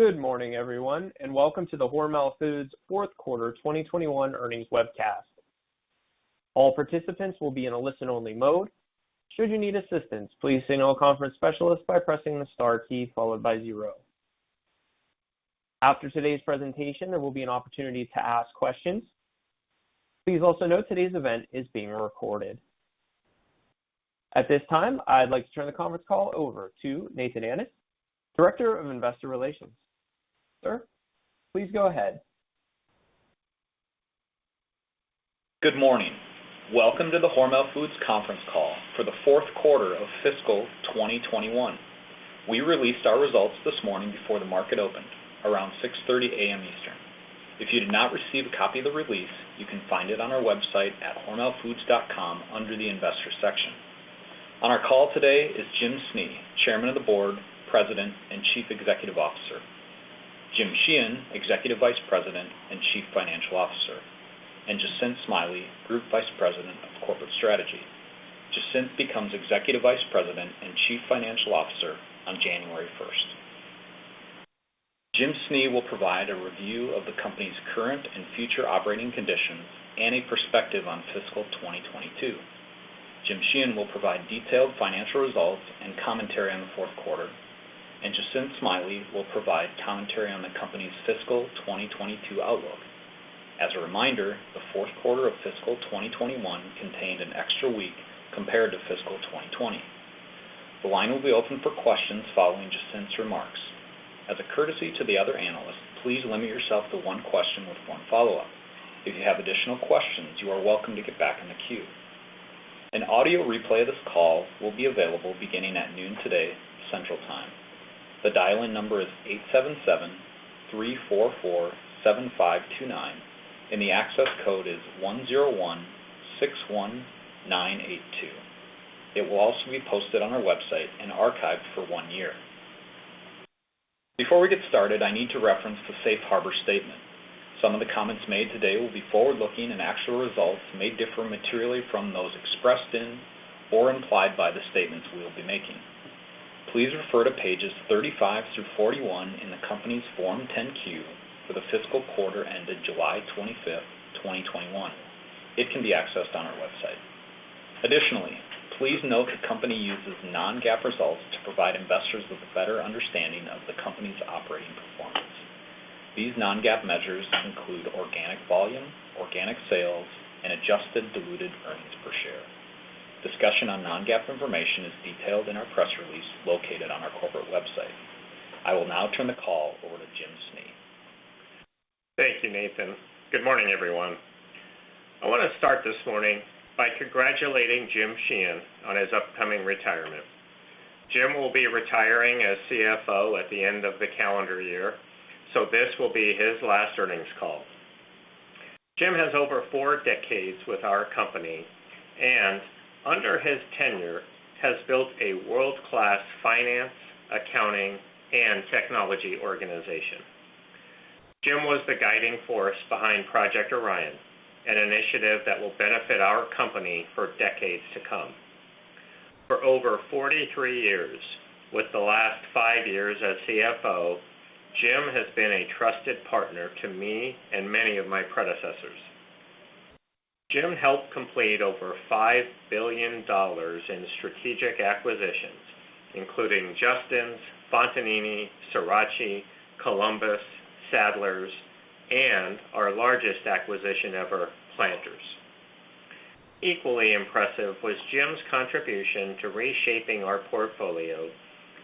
Good morning, everyone, and welcome to the Hormel Foods Fourth Quarter 2021 earnings webcast. All participants will be in a listen-only mode. Should you need assistance, please signal a conference specialist by pressing the star key followed by zero. After today's presentation, there will be an opportunity to ask questions. Please also note today's event is being recorded. At this time, I'd like to turn the conference call over to Nathan Annis, Director of Investor Relations. Sir, please go ahead. Good morning. Welcome to the Hormel Foods conference call for the fourth quarter of fiscal 2021. We released our results this morning before the market opened around 6:30 A.M. Eastern. If you did not receive a copy of the release, you can find it on our website at hormelfoods.com under the investors section. On our call today is Jim Snee, Chairman of the Board, President, and Chief Executive Officer, Jim Sheehan, Executive Vice President and Chief Financial Officer, and Jacinth Smiley, Group Vice President of Corporate Strategy. Jacinth becomes Executive Vice President and Chief Financial Officer on January 1st. Jim Snee will provide a review of the company's current and future operating conditions and a perspective on fiscal 2022. Jim Sheehan will provide detailed financial results and commentary on the fourth quarter. Jacinth Smiley will provide commentary on the company's fiscal 2022 outlook. As a reminder, the fourth quarter of fiscal 2021 contained an extra week compared to fiscal 2020. The line will be open for questions following Jacinth's remarks. As a courtesy to the other analysts, please limit yourself to one question with one follow-up. If you have additional questions, you are welcome to get back in the queue. An audio replay of this call will be available beginning at 12:00 P.M. today, Central Time. The dial-in number is 877-344-7529, and the access code is 10161982. It will also be posted on our website and archived for one year. Before we get started, I need to reference the safe harbor statement. Some of the comments made today will be forward-looking, and actual results may differ materially from those expressed in or implied by the statements we will be making. Please refer to pages 35 through 41 in the company's Form 10-Q for the fiscal quarter ended July 25th, 2021. It can be accessed on our website. Additionally, please note the company uses non-GAAP results to provide investors with a better understanding of the company's operating performance. These non-GAAP measures include organic volume, organic sales, and adjusted diluted earnings per share. Discussion on non-GAAP information is detailed in our press release located on our corporate website. I will now turn the call over to Jim Snee. Thank you, Nathan. Good morning, everyone. I wanna start this morning by congratulating Jim Sheehan on his upcoming retirement. Jim will be retiring as CFO at the end of the calendar year, so this will be his last earnings call. Jim has over four decades with our company and under his tenure has built a world-class finance, accounting, and technology organization. Jim was the guiding force behind Project Orion, an initiative that will benefit our company for decades to come. For over 43 years, with the last five years as CFO, Jim has been a trusted partner to me and many of my predecessors. Jim helped complete over $5 billion in strategic acquisitions, including Justin's, Fontanini, Sriracha, Columbus, Sadler's, and our largest acquisition ever, Planters. Equally impressive was Jim's contribution to reshaping our portfolio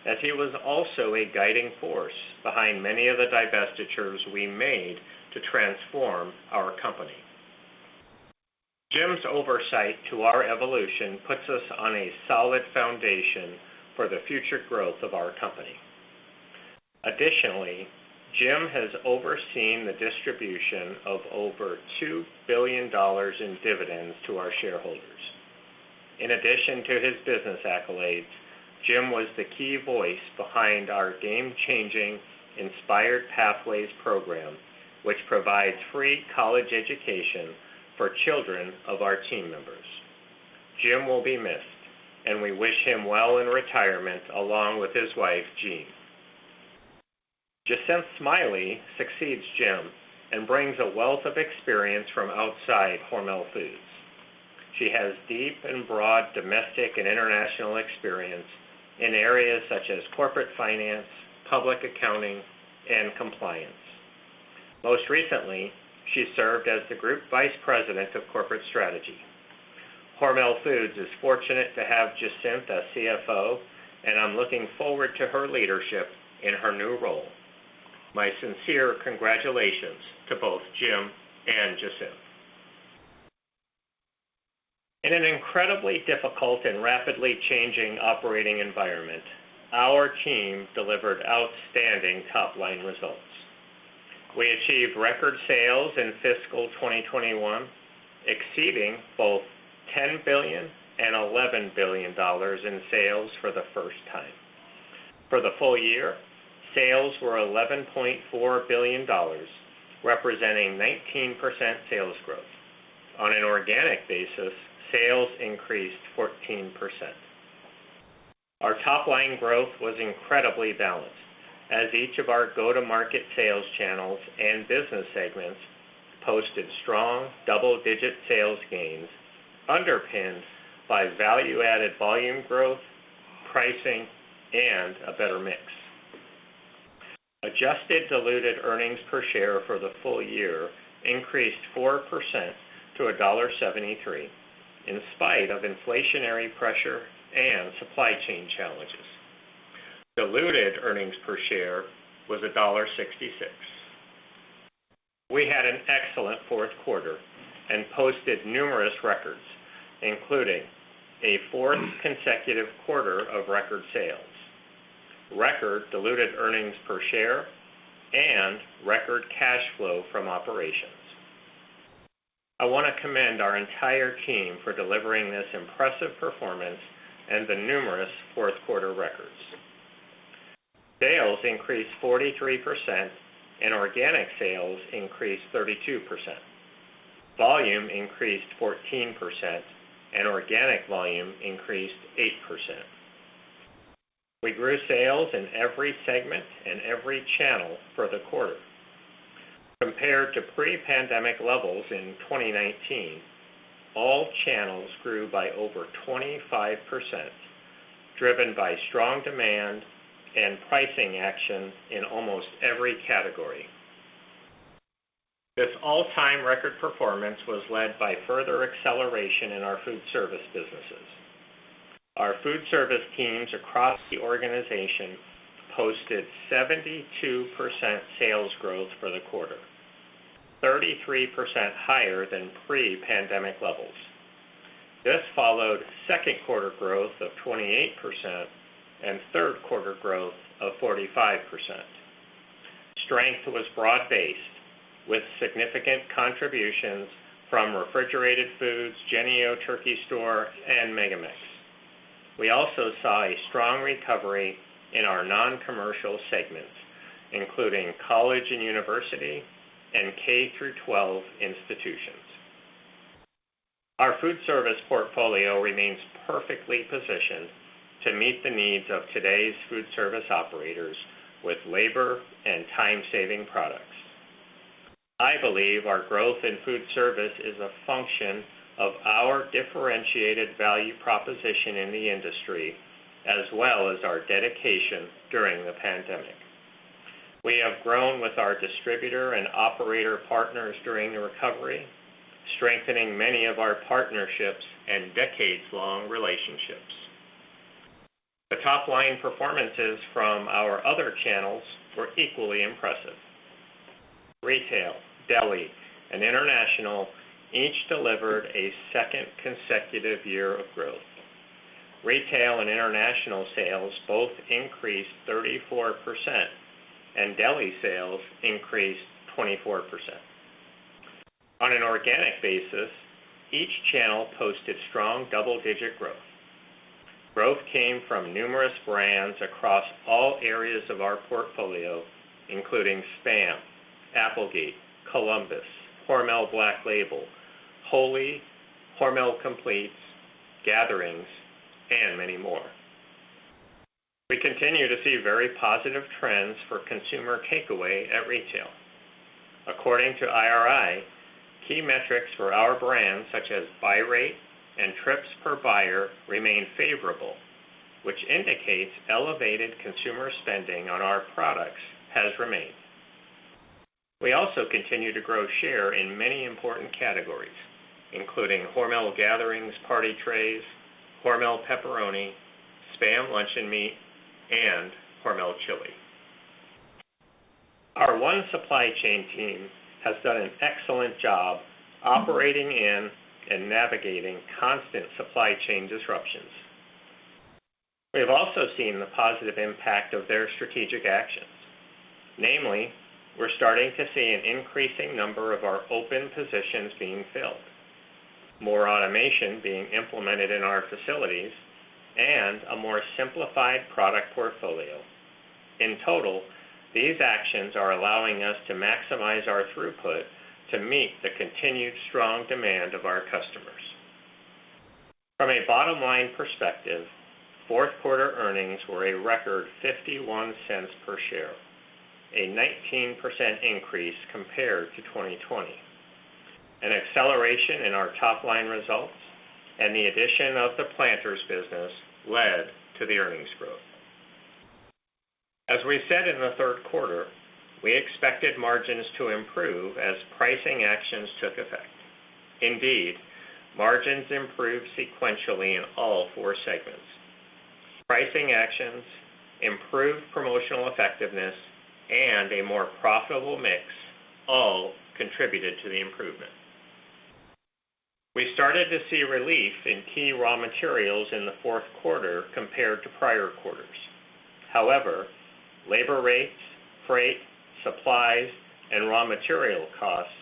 as he was also a guiding force behind many of the divestitures we made to transform our company. Jim's oversight to our evolution puts us on a solid foundation for the future growth of our company. Additionally, Jim has overseen the distribution of over $2 billion in dividends to our shareholders. In addition to his business accolades, Jim was the key voice behind our game-changing Inspired Pathways program, which provides free college education for children of our team members. Jim will be missed and we wish him well in retirement along with his wife, Jean. Jacinth Smiley succeeds Jim and brings a wealth of experience from outside Hormel Foods. She has deep and broad domestic and international experience in areas such as corporate finance, public accounting, and compliance. Most recently, she served as the Group Vice President of Corporate Strategy. Hormel Foods is fortunate to have Jacinth as CFO, and I'm looking forward to her leadership in her new role. My sincere congratulations to both Jim and Jacinth. In an incredibly difficult and rapidly changing operating environment, our team delivered outstanding top-line results. We achieved record sales in fiscal 2021, exceeding both $10 billion and $11 billion in sales for the first time. For the full year, sales were $11.4 billion, representing 19% sales growth. On an organic basis, sales increased 14%. Our top line growth was incredibly balanced as each of our go-to-market sales channels and business segments posted strong double-digit sales gains underpinned by value-added volume growth, pricing, and a better mix. Adjusted diluted earnings per share for the full year increased 4% to $1.73 in spite of inflationary pressure and supply chain challenges. Diluted earnings per share was $1.66. We had an excellent fourth quarter and posted numerous records, including a fourth consecutive quarter of record sales, record diluted earnings per share, and record cash flow from operations. I want to commend our entire team for delivering this impressive performance and the numerous fourth-quarter records. Sales increased 43% and organic sales increased 32%. Volume increased 14% and organic volume increased 8%. We grew sales in every segment and every channel for the quarter. Compared to pre-pandemic levels in 2019, all channels grew by over 25%, driven by strong demand and pricing action in almost every category. This all-time record performance was led by further acceleration in our food service businesses. Our food service teams across the organization posted 72% sales growth for the quarter, 33% higher than pre-pandemic levels. This followed second quarter growth of 28% and third quarter growth of 45%. Strength was broad-based with significant contributions from Refrigerated Foods, Jennie-O Turkey Store, and MegaMex. We also saw a strong recovery in our non-commercial segments, including college and university and K through 12 institutions. Our food service portfolio remains perfectly positioned to meet the needs of today's food service operators with labor and time saving products. I believe our growth in food service is a function of our differentiated value proposition in the industry as well as our dedication during the pandemic. We have grown with our distributor and operator partners during the recovery, strengthening many of our partnerships and decades long relationships. The top line performances from our other channels were equally impressive. Retail, deli, and international each delivered a second consecutive year of growth. Retail and international sales both increased 34%, and deli sales increased 24%. On an organic basis, each channel posted strong double-digit growth. Growth came from numerous brands across all areas of our portfolio, including SPAM, Applegate, Columbus, HORMEL BLACK LABEL, Holy Hormel Compleats, Gatherings, and many more. We continue to see very positive trends for consumer takeaway at retail. According to IRI, key metrics for our brands such as buy rate and trips per buyer remain favorable, which indicates elevated consumer spending on our products has remained. We also continue to grow share in many important categories, including Hormel Gatherings party trays, Hormel pepperoni, SPAM luncheon meat, and HORMEL Chili. Our One Supply Chain team has done an excellent job operating in and navigating constant supply chain disruptions. We have also seen the positive impact of their strategic actions. Namely, we're starting to see an increasing number of our open positions being filled, more automation being implemented in our facilities, and a more simplified product portfolio. In total, these actions are allowing us to maximize our throughput to meet the continued strong demand of our customers. From a bottom-line perspective, fourth quarter earnings were a record $0.51 per share, a 19% increase compared to 2020. An acceleration in our top line results and the addition of the Planters business led to the earnings growth. As we said in the third quarter, we expected margins to improve as pricing actions took effect. Indeed, margins improved sequentially in all four segments. Pricing actions, improved promotional effectiveness, and a more profitable mix all contributed to the improvement. We started to see relief in key raw materials in the fourth quarter compared to prior quarters. However, labor rates, freight, supplies, and raw material costs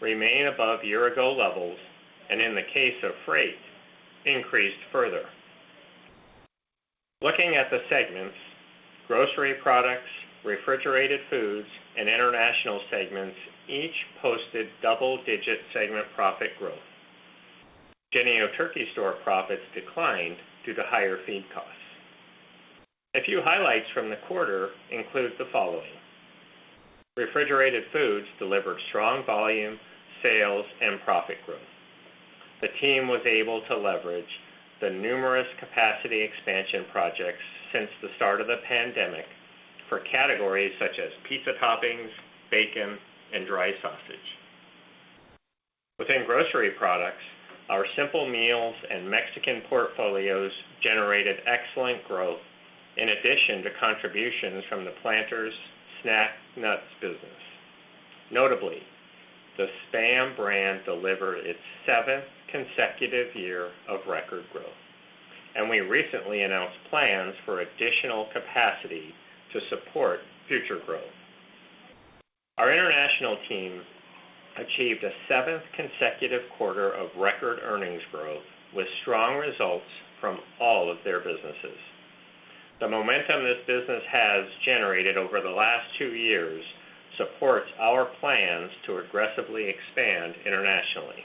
remain above year-ago levels, and in the case of freight, increased further. Looking at the segments, Grocery Products, Refrigerated Foods, and International segments each posted double-digit segment profit growth. Jennie-O Turkey Store profits declined due to higher feed costs. A few highlights from the quarter include the following. Refrigerated Foods delivered strong volume, sales, and profit growth. The team was able to leverage the numerous capacity expansion projects since the start of the pandemic for categories such as pizza toppings, bacon, and dry sausage. Within Grocery Products, our simple meals and Mexican portfolios generated excellent growth in addition to contributions from the Planters snack nuts business. Notably, the SPAM brand delivered its seventh consecutive year of record growth. We recently announced plans for additional capacity to support future growth. Our international team achieved a seventh consecutive quarter of record earnings growth with strong results from all of their businesses. The momentum this business has generated over the last two years supports our plans to aggressively expand internationally.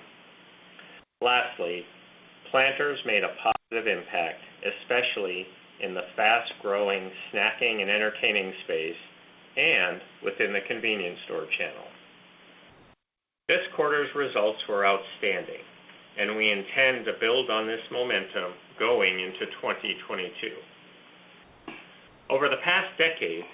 Planters made a positive impact, especially in the fast-growing snacking and entertaining space and within the convenience store channel. This quarter's results were outstanding and we intend to build on this momentum going into 2022. Over the past decade,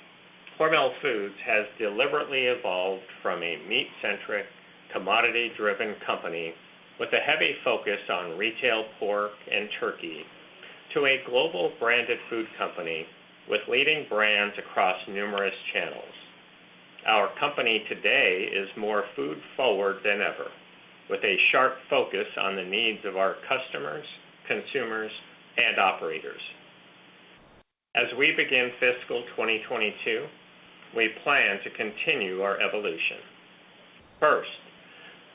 Hormel Foods has deliberately evolved from a meat-centric, commodity-driven company with a heavy focus on retail pork and turkey to a global branded food company with leading brands across numerous channels. Our company today is more food forward than ever, with a sharp focus on the needs of our customers, consumers, and operators. As we begin fiscal 2022, we plan to continue our evolution. First,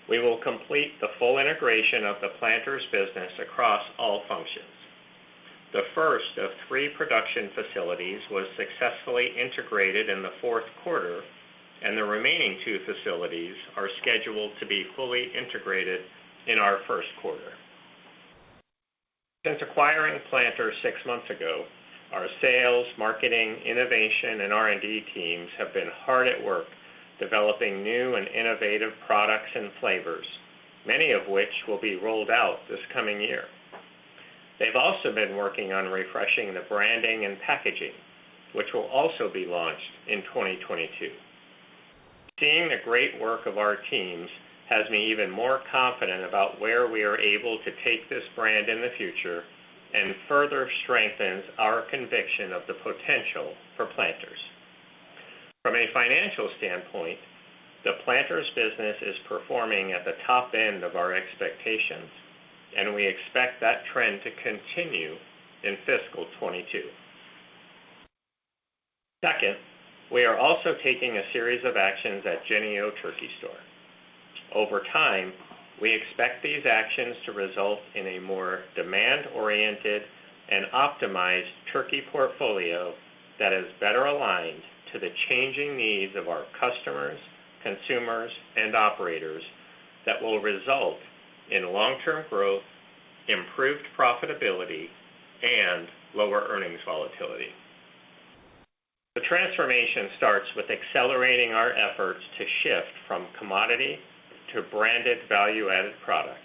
we will complete the full integration of the Planters business across all functions. The first of three production facilities was successfully integrated in the fourth quarter, and the remaining two facilities are scheduled to be fully integrated in our first quarter. Since acquiring Planters six months ago, our sales, marketing, innovation, and R&D teams have been hard at work developing new and innovative products and flavors, many of which will be rolled out this coming year. They've also been working on refreshing the branding and packaging, which will also be launched in 2022. Seeing the great work of our teams has me even more confident about where we are able to take this brand in the future and further strengthens our conviction of the potential for Planters. From a financial standpoint, the Planters business is performing at the top end of our expectations, and we expect that trend to continue in fiscal 2022. Second, we are also taking a series of actions at Jennie-O Turkey Store. Over time, we expect these actions to result in a more demand-oriented and optimized turkey portfolio that is better aligned to the changing needs of our customers, consumers, and operators that will result in long-term growth, improved profitability, and lower earnings volatility. The transformation starts with accelerating our efforts to shift from commodity to branded value-added products.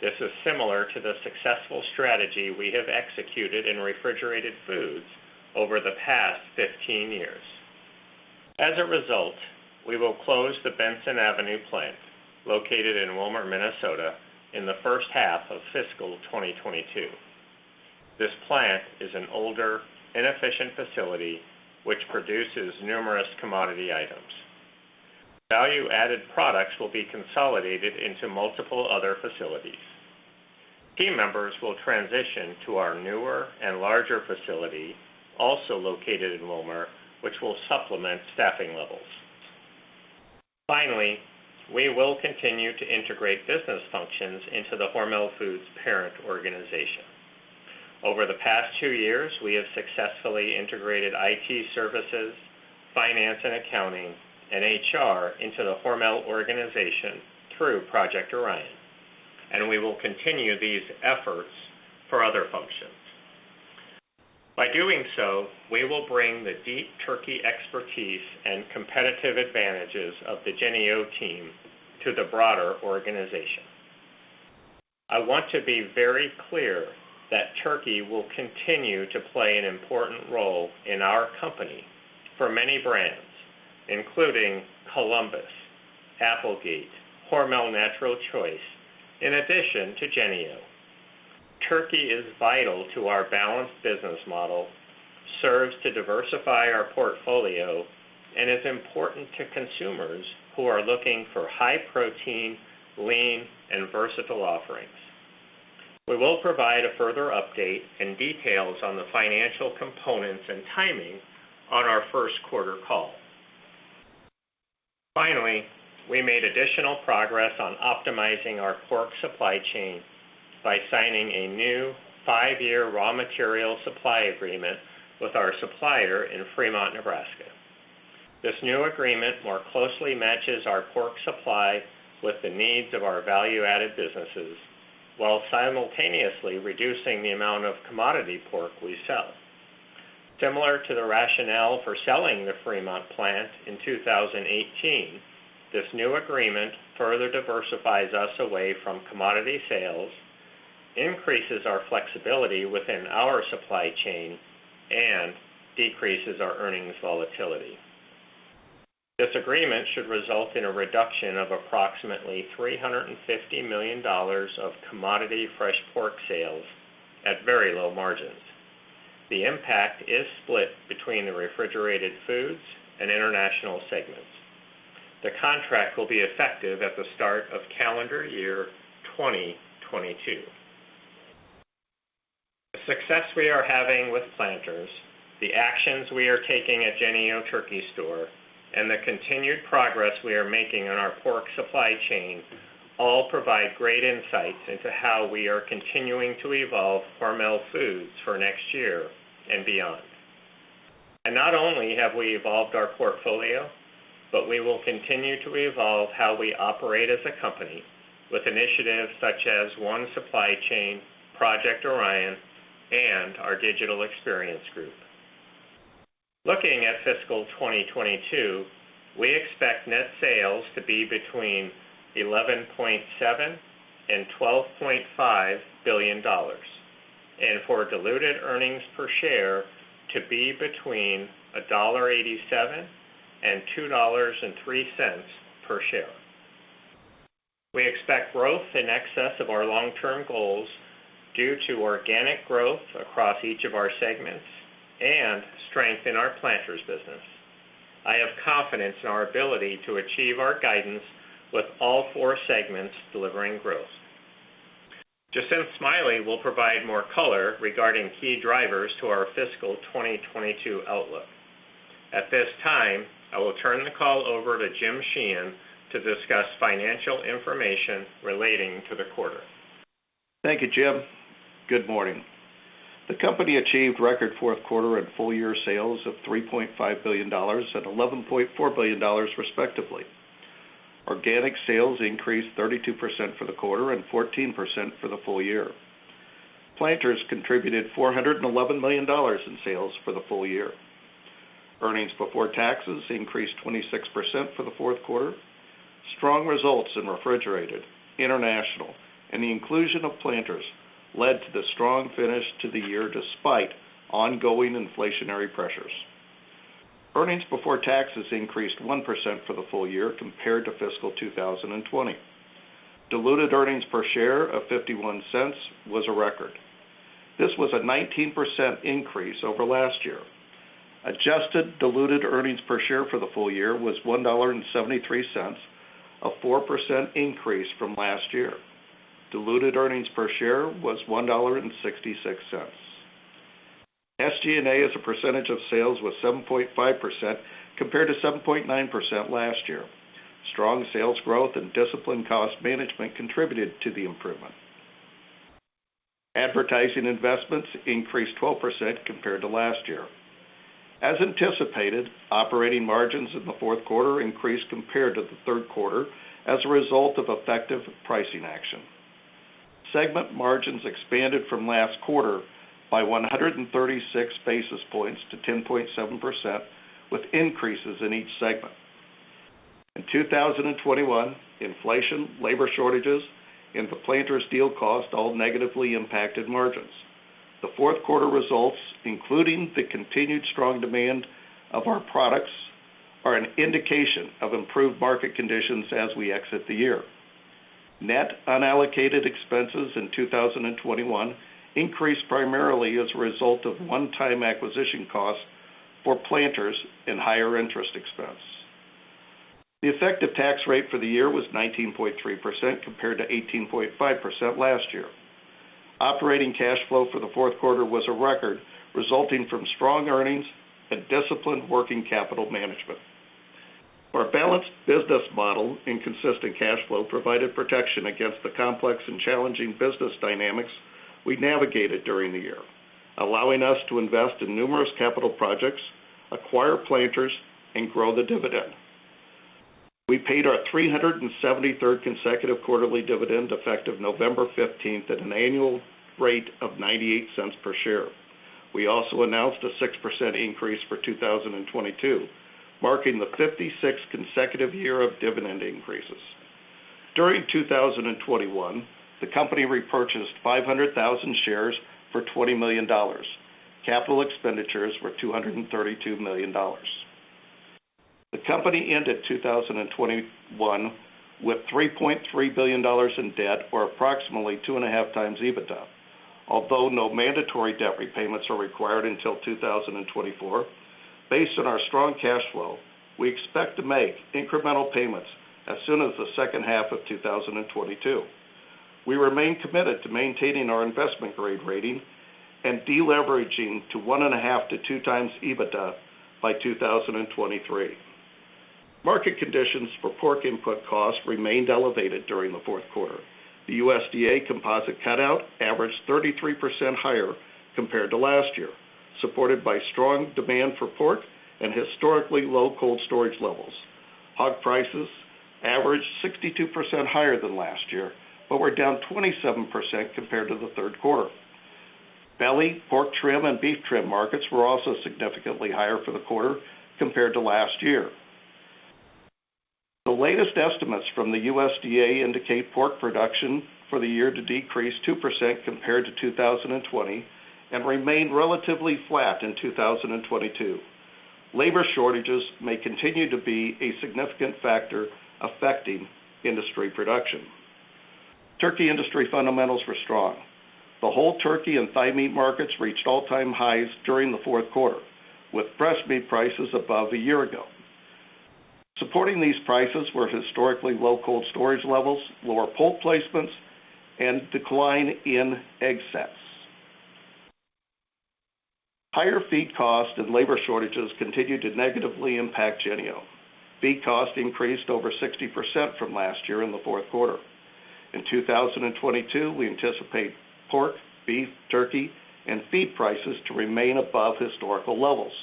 This is similar to the successful strategy we have executed in Refrigerated Foods over the past 15 years. As a result, we will close the Benson Avenue plant located in Willmar, Minnesota, in the first half of fiscal 2022. This plant is an older, inefficient facility which produces numerous commodity items. Value-added products will be consolidated into multiple other facilities. Team members will transition to our newer and larger facility, also located in Willmar, which will supplement staffing levels. Finally, we will continue to integrate business functions into the Hormel Foods parent organization. Over the past two years, we have successfully integrated IT services, finance and accounting, and HR into the Hormel organization through Project Orion, and we will continue these efforts for other functions. By doing so, we will bring the deep turkey expertise and competitive advantages of the Jennie-O team to the broader organization. I want to be very clear that turkey will continue to play an important role in our company for many brands, including Columbus, Applegate, Hormel Natural Choice, in addition to Jennie-O. Turkey is vital to our balanced business model, serves to diversify our portfolio, and is important to consumers who are looking for high protein, lean, and versatile offerings. We will provide a further update and details on the financial components and timing on our first quarter call. Finally, we made additional progress on optimizing our pork supply chain by signing a new five-year raw material supply agreement with our supplier in Fremont, Nebraska. This new agreement more closely matches our pork supply with the needs of our value-added businesses, while simultaneously reducing the amount of commodity pork we sell. Similar to the rationale for selling the Fremont plant in 2018, this new agreement further diversifies us away from commodity sales, increases our flexibility within our supply chain, and decreases our earnings volatility. This agreement should result in a reduction of approximately $350 million of commodity fresh pork sales at very low margins. The impact is split between the Refrigerated Foods and International segments. The contract will be effective at the start of calendar year 2022. The success we are having with Planters, the actions we are taking at Jennie-O Turkey Store, and the continued progress we are making on our pork supply chain all provide great insights into how we are continuing to evolve Hormel Foods for next year and beyond. Not only have we evolved our portfolio, but we will continue to evolve how we operate as a company with initiatives such as One Supply Chain, Project Orion, and our digital experience group. Looking at fiscal 2022, we expect net sales to be between $11.7 billion and $12.5 billion and for diluted earnings per share to be between $1.87 and $2.03 per share. We expect growth in excess of our long-term goals due to organic growth across each of our segments and strength in our Planters business. I have confidence in our ability to achieve our guidance with all four segments delivering growth. Jacinth Smiley will provide more color regarding key drivers to our fiscal 2022 outlook. At this time, I will turn the call over to Jim Sheehan to discuss financial information relating to the quarter. Thank you, Jim. Good morning. The company achieved record fourth quarter and full-year sales of $3.5 billion and $11.4 billion, respectively. Organic sales increased 32% for the quarter and 14% for the full year. Planters contributed $411 million in sales for the full year. Earnings before taxes increased 26% for the fourth quarter. Strong results in Refrigerated, International, and the inclusion of Planters led to the strong finish to the year despite ongoing inflationary pressures. Earnings before taxes increased 1% for the full year compared to fiscal 2020. Diluted earnings per share of $0.51 was a record. This was a 19% increase over last year. Adjusted diluted earnings per share for the full year was $1.73, a 4% increase from last year. Diluted earnings per share was $1.66. SG&A as a percentage of sales was 7.5% compared to 7.9% last year. Strong sales growth and disciplined cost management contributed to the improvement. Advertising investments increased 12% compared to last year. As anticipated, operating margins in the fourth quarter increased compared to the third quarter as a result of effective pricing action. Segment margins expanded from last quarter by 136 basis points to 10.7%, with increases in each segment. In 2021, inflation, labor shortages and the Planters deal cost all negatively impacted margins. The fourth quarter results, including the continued strong demand of our products, are an indication of improved market conditions as we exit the year. Net unallocated expenses in 2021 increased primarily as a result of one-time acquisition costs for Planters and higher interest expense. The effective tax rate for the year was 19.3%, compared to 18.5% last year. Operating cash flow for the fourth quarter was a record resulting from strong earnings and disciplined working capital management. Our balanced business model and consistent cash flow provided protection against the complex and challenging business dynamics we navigated during the year, allowing us to invest in numerous capital projects, acquire Planters and grow the dividend. We paid our 373rd consecutive quarterly dividend effective November fifteenth at an annual rate of $0.98 per share. We also announced a 6% increase for 2022, marking the 56th consecutive year of dividend increases. During 2021, the company repurchased 500,000 shares for $20 million. Capital expenditures were $232 million. The company ended 2021 with $3.3 billion in debt, or approximately 2.5x EBITDA. Although no mandatory debt repayments are required until 2024, based on our strong cash flow, we expect to make incremental payments as soon as the H2 of 2022. We remain committed to maintaining our investment-grade rating and deleveraging to 1.5x-2x EBITDA by 2023. Market conditions for pork input costs remained elevated during the fourth quarter. The USDA composite cutout averaged 33% higher compared to last year, supported by strong demand for pork and historically low cold storage levels. Hog prices averaged 62% higher than last year, but were down 27% compared to the third quarter. Belly, pork trim, and beef trim markets were also significantly higher for the quarter compared to last year. The latest estimates from the USDA indicate pork production for the year to decrease 2% compared to 2020, and remain relatively flat in 2022. Labor shortages may continue to be a significant factor affecting industry production. Turkey industry fundamentals were strong. The whole turkey and thigh meat markets reached all-time highs during the fourth quarter, with breast meat prices above a year ago. Supporting these prices were historically low cold storage levels, lower poult placements, and decline in egg sets. Higher feed costs and labor shortages continued to negatively impact Jennie-O. Feed costs increased over 60% from last year in the fourth quarter. In 2022, we anticipate pork, beef, turkey, and feed prices to remain above historical levels.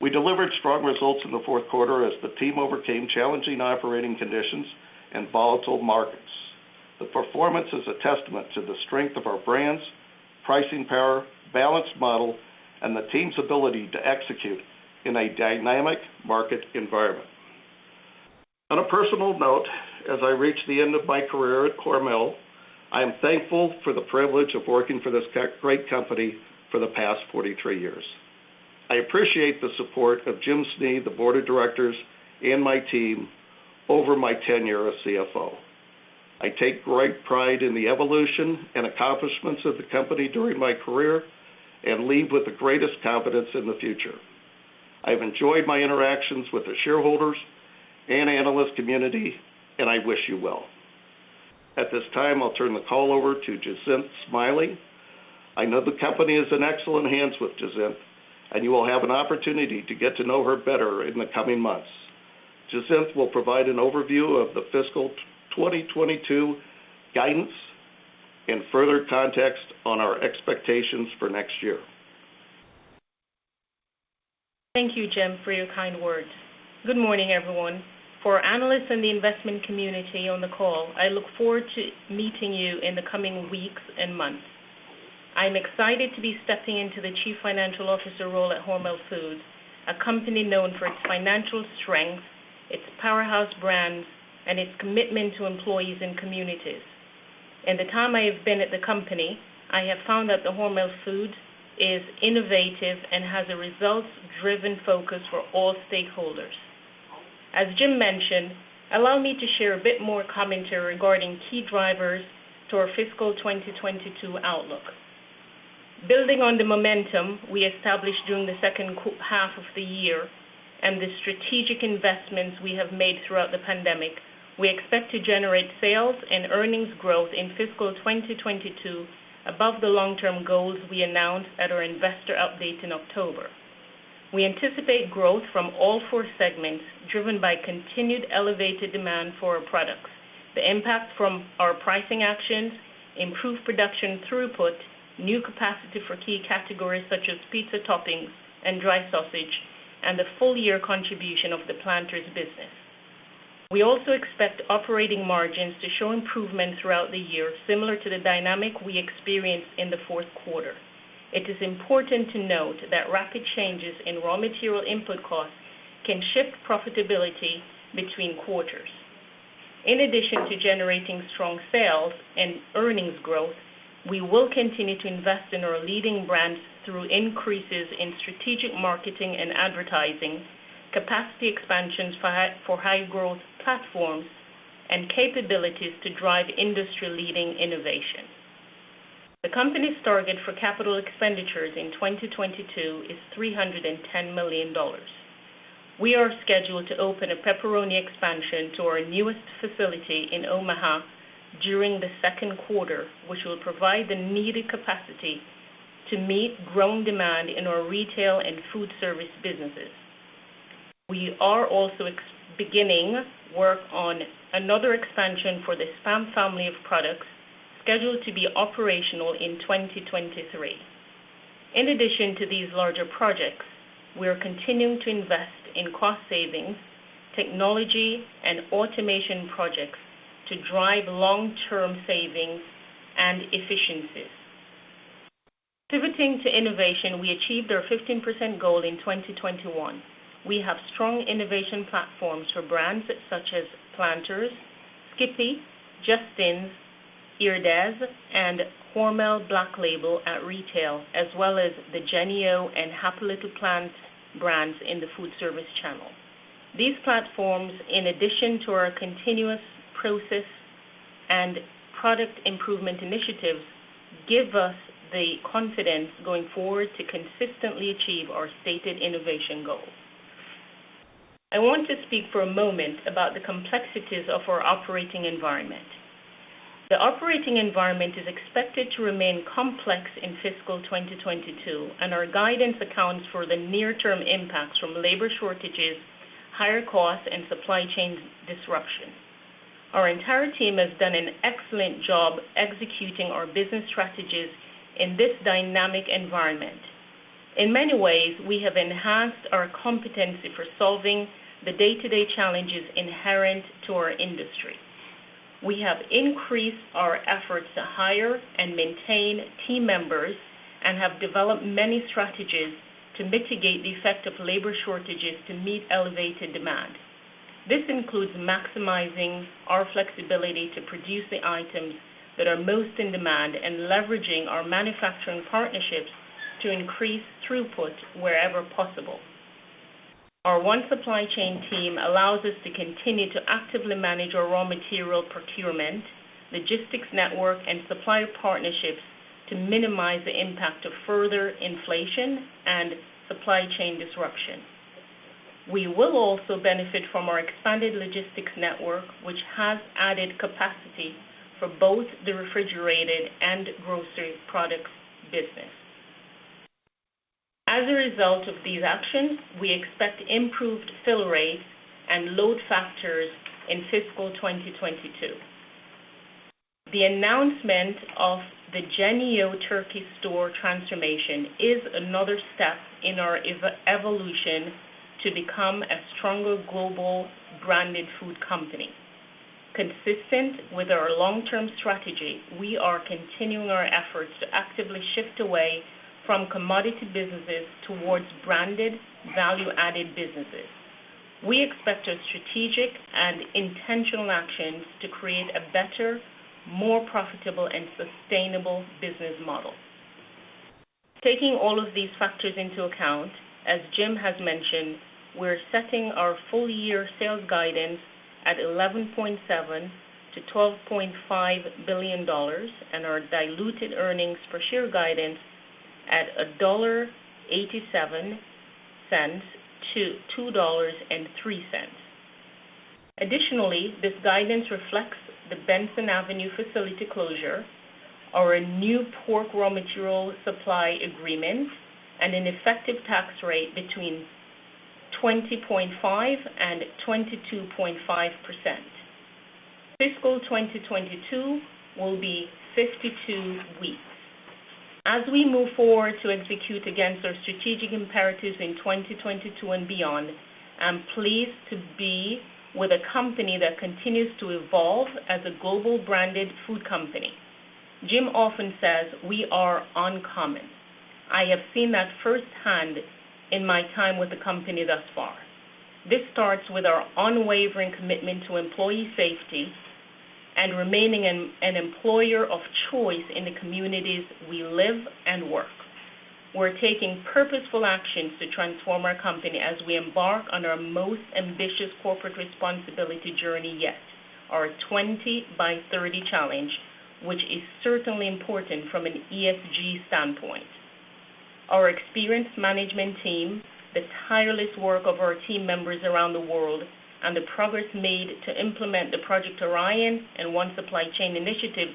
We delivered strong results in the fourth quarter as the team overcame challenging operating conditions and volatile markets. The performance is a testament to the strength of our brands, pricing power, balanced model, and the team's ability to execute in a dynamic market environment. On a personal note, as I reach the end of my career at Hormel, I am thankful for the privilege of working for this great company for the past 43 years. I appreciate the support of Jim Snee, the board of directors, and my team over my tenure as CFO. I take great pride in the evolution and accomplishments of the company during my career and leave with the greatest confidence in the future. I've enjoyed my interactions with the shareholders and analyst community, and I wish you well. At this time, I'll turn the call over to Jacinth Smiley. I know the company is in excellent hands with Jacinth, and you will have an opportunity to get to know her better in the coming months. Jacinth will provide an overview of the fiscal 2022 guidance and further context on our expectations for next year. Thank you, Jim, for your kind words. Good morning, everyone. For our analysts in the investment community on the call, I look forward to meeting you in the coming weeks and months. I'm excited to be stepping into the Chief Financial Officer role at Hormel Foods, a company known for its financial strength, its powerhouse brands, and its commitment to employees and communities. In the time I have been at the company, I have found that the Hormel Foods is innovative and has a results-driven focus for all stakeholders. As Jim mentioned, allow me to share a bit more commentary regarding key drivers to our fiscal 2022 outlook. Building on the momentum we established during the half of the year and the strategic investments we have made throughout the pandemic, we expect to generate sales and earnings growth in fiscal 2022 above the long-term goals we announced at our investor update in October. We anticipate growth from all four segments driven by continued elevated demand for our products, the impact from our pricing actions, improved production throughput, new capacity for key categories such as pizza toppings and dry sausage, and the full year contribution of the Planters business. We also expect operating margins to show improvement throughout the year, similar to the dynamic we experienced in the fourth quarter. It is important to note that rapid changes in raw material input costs can shift profitability between quarters. In addition to generating strong sales and earnings growth, we will continue to invest in our leading brands through increases in strategic marketing and advertising, capacity expansions for high growth platforms, and capabilities to drive industry-leading innovation. The company's target for capital expenditures in 2022 is $310 million. We are scheduled to open a pepperoni expansion to our newest facility in Omaha during the second quarter, which will provide the needed capacity to meet growing demand in our retail and food service businesses. We are also beginning work on another expansion for the SPAM family of products scheduled to be operational in 2023. In addition to these larger projects, we are continuing to invest in cost savings, technology, and automation projects to drive long-term savings and efficiencies. Pivoting to innovation, we achieved our 15% goal in 2021. We have strong innovation platforms for brands such as Planters, Skippy, Justin's, Herdez, and HORMEL BLACK LABEL at retail, as well as the Jennie-O and Happy Little Plants brands in the food service channel. These platforms, in addition to our continuous process and product improvement initiatives, give us the confidence going forward to consistently achieve our stated innovation goals. I want to speak for a moment about the complexities of our operating environment. The operating environment is expected to remain complex in fiscal 2022, and our guidance accounts for the near-term impacts from labor shortages, higher costs, and supply chain disruption. Our entire team has done an excellent job executing our business strategies in this dynamic environment. In many ways, we have enhanced our competency for solving the day-to-day challenges inherent to our industry. We have increased our efforts to hire and maintain team members and have developed many strategies to mitigate the effect of labor shortages to meet elevated demand. This includes maximizing our flexibility to produce the items that are most in demand and leveraging our manufacturing partnerships to increase throughput wherever possible. Our One Supply Chain team allows us to continue to actively manage our raw material procurement, logistics network, and supplier partnerships to minimize the impact of further inflation and supply chain disruption. We will also benefit from our expanded logistics network, which has added capacity for both the Refrigerated and Grocery Products business. As a result of these actions, we expect improved fill rates and load factors in fiscal 2022. The announcement of the Jennie-O Turkey Store transformation is another step in our evolution to become a stronger global branded food company. Consistent with our long-term strategy, we are continuing our efforts to actively shift away from commodity businesses towards branded value-added businesses. We expect our strategic and intentional actions to create a better, more profitable, and sustainable business model. Taking all of these factors into account, as Jim has mentioned, we're setting our full year sales guidance at $11.7 billion-$12.5 billion and our diluted earnings per share guidance at $1.87-$2.03. Additionally, this guidance reflects the Benson Avenue facility closure, our new pork raw material supply agreement, and an effective tax rate between 20.5%-22.5%. Fiscal 2022 will be 52 weeks. As we move forward to execute against our strategic imperatives in 2022 and beyond, I'm pleased to be with a company that continues to evolve as a global branded food company. Jim often says, "We are uncommon." I have seen that firsthand in my time with the company thus far. This starts with our unwavering commitment to employee safety and remaining an employer of choice in the communities we live and work. We're taking purposeful actions to transform our company as we embark on our most ambitious corporate responsibility journey yet, our 20 By 30 Challenge, which is certainly important from an ESG standpoint. Our experienced management team, the tireless work of our team members around the world, and the progress made to implement the Project Orion and One Supply Chain initiative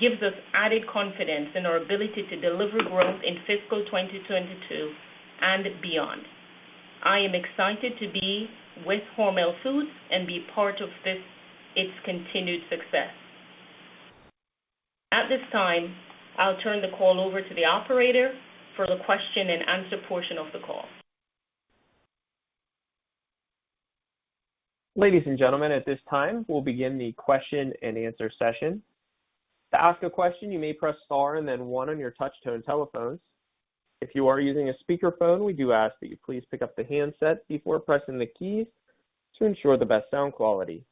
gives us added confidence in our ability to deliver growth in fiscal 2022 and beyond. I am excited to be with Hormel Foods and be part of this, its continued success. At this time, I'll turn the call over to the operator for the question-and-answer portion of the call. Ladies and gentlemen, at this time, we'll begin the question-and-answer session. To ask a question, you may press star and then one on your touch-tone telephones. If you are using a speakerphone, we do ask that you please pick up the handset before pressing the key to ensure the best sound quality.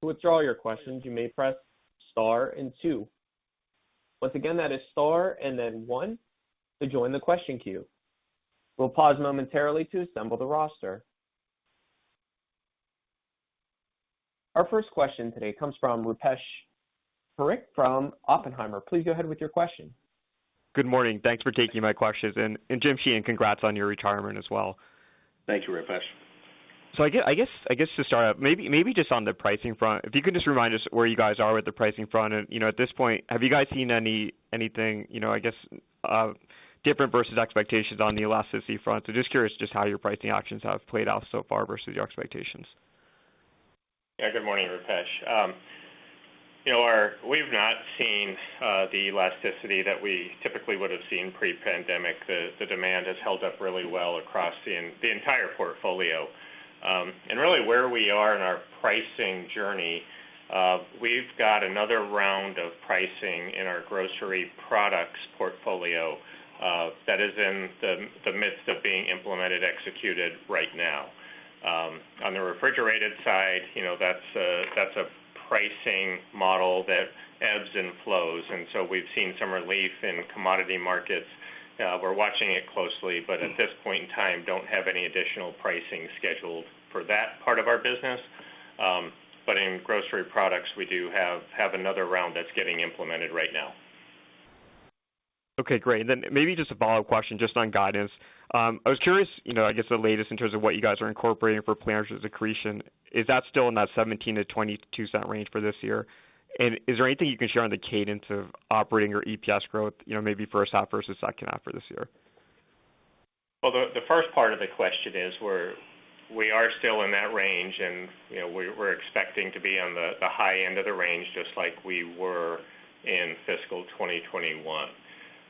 To withdraw your questions, you may press star and two. Once again, that is star and then one to join the question queue. We'll pause momentarily to assemble the roster. Our first question today comes from Rupesh Parikh from Oppenheimer. Please go ahead with your question. Good morning. Thanks for taking my questions. Jim Sheehan, congrats on your retirement as well. Thank you, Rupesh. I guess to start out, maybe just on the pricing front, if you could just remind us where you guys are with the pricing front. You know, at this point, have you guys seen anything, you know, I guess, different versus expectations on the elasticity front? Just curious just how your pricing actions have played out so far versus your expectations. Yeah. Good morning, Rupesh. You know, we've not seen the elasticity that we typically would have seen pre-pandemic. The demand has held up really well across the entire portfolio. Really where we are in our pricing journey, we've got another round of pricing in our Grocery Products portfolio that is in the midst of being implemented, executed right now. On the Refrigerated side, you know, that's a pricing model that ebbs and flows, and so we've seen some relief in commodity markets. We're watching it closely, but at this point in time, don't have any additional pricing scheduled for that part of our business. In Grocery Products, we do have another round that's getting implemented right now. Okay, great. Maybe just a follow-up question just on guidance. I was curious, you know, I guess the latest in terms of what you guys are incorporating for Planters accretion. Is that still in that $0.17-$0.22 range for this year? Is there anything you can share on the cadence of operating or EPS growth, you know, maybe first half versus second half for this year? The first part of the question is we are still in that range and, you know, we're expecting to be on the high end of the range, just like we were in fiscal 2021. You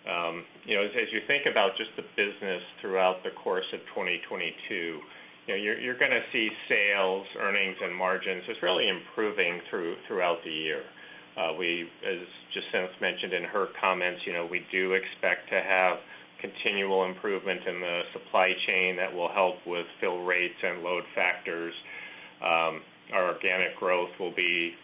know, as you think about just the business throughout the course of 2022, you know, you're gonna see sales, earnings, and margins just really improving throughout the year. As just mentioned in her comments, you know, we do expect to have continual improvement in the supply chain that will help with fill rates and load factors. Our organic growth will be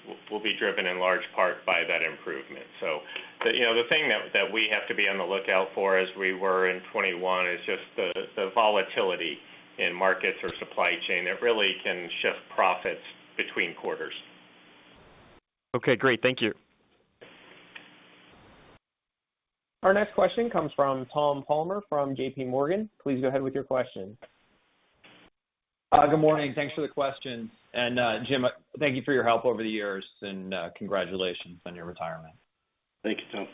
driven in large part by that improvement. The, you know, the thing that we have to be on the lookout for as we were in 2021 is just the volatility in markets or supply chain that really can shift profits between quarters. Okay, great. Thank you. Our next question comes from Tom Palmer from JPMorgan. Please go ahead with your question. Good morning. Thanks for the questions. Jim, thank you for your help over the years, and congratulations on your retirement. Thank you,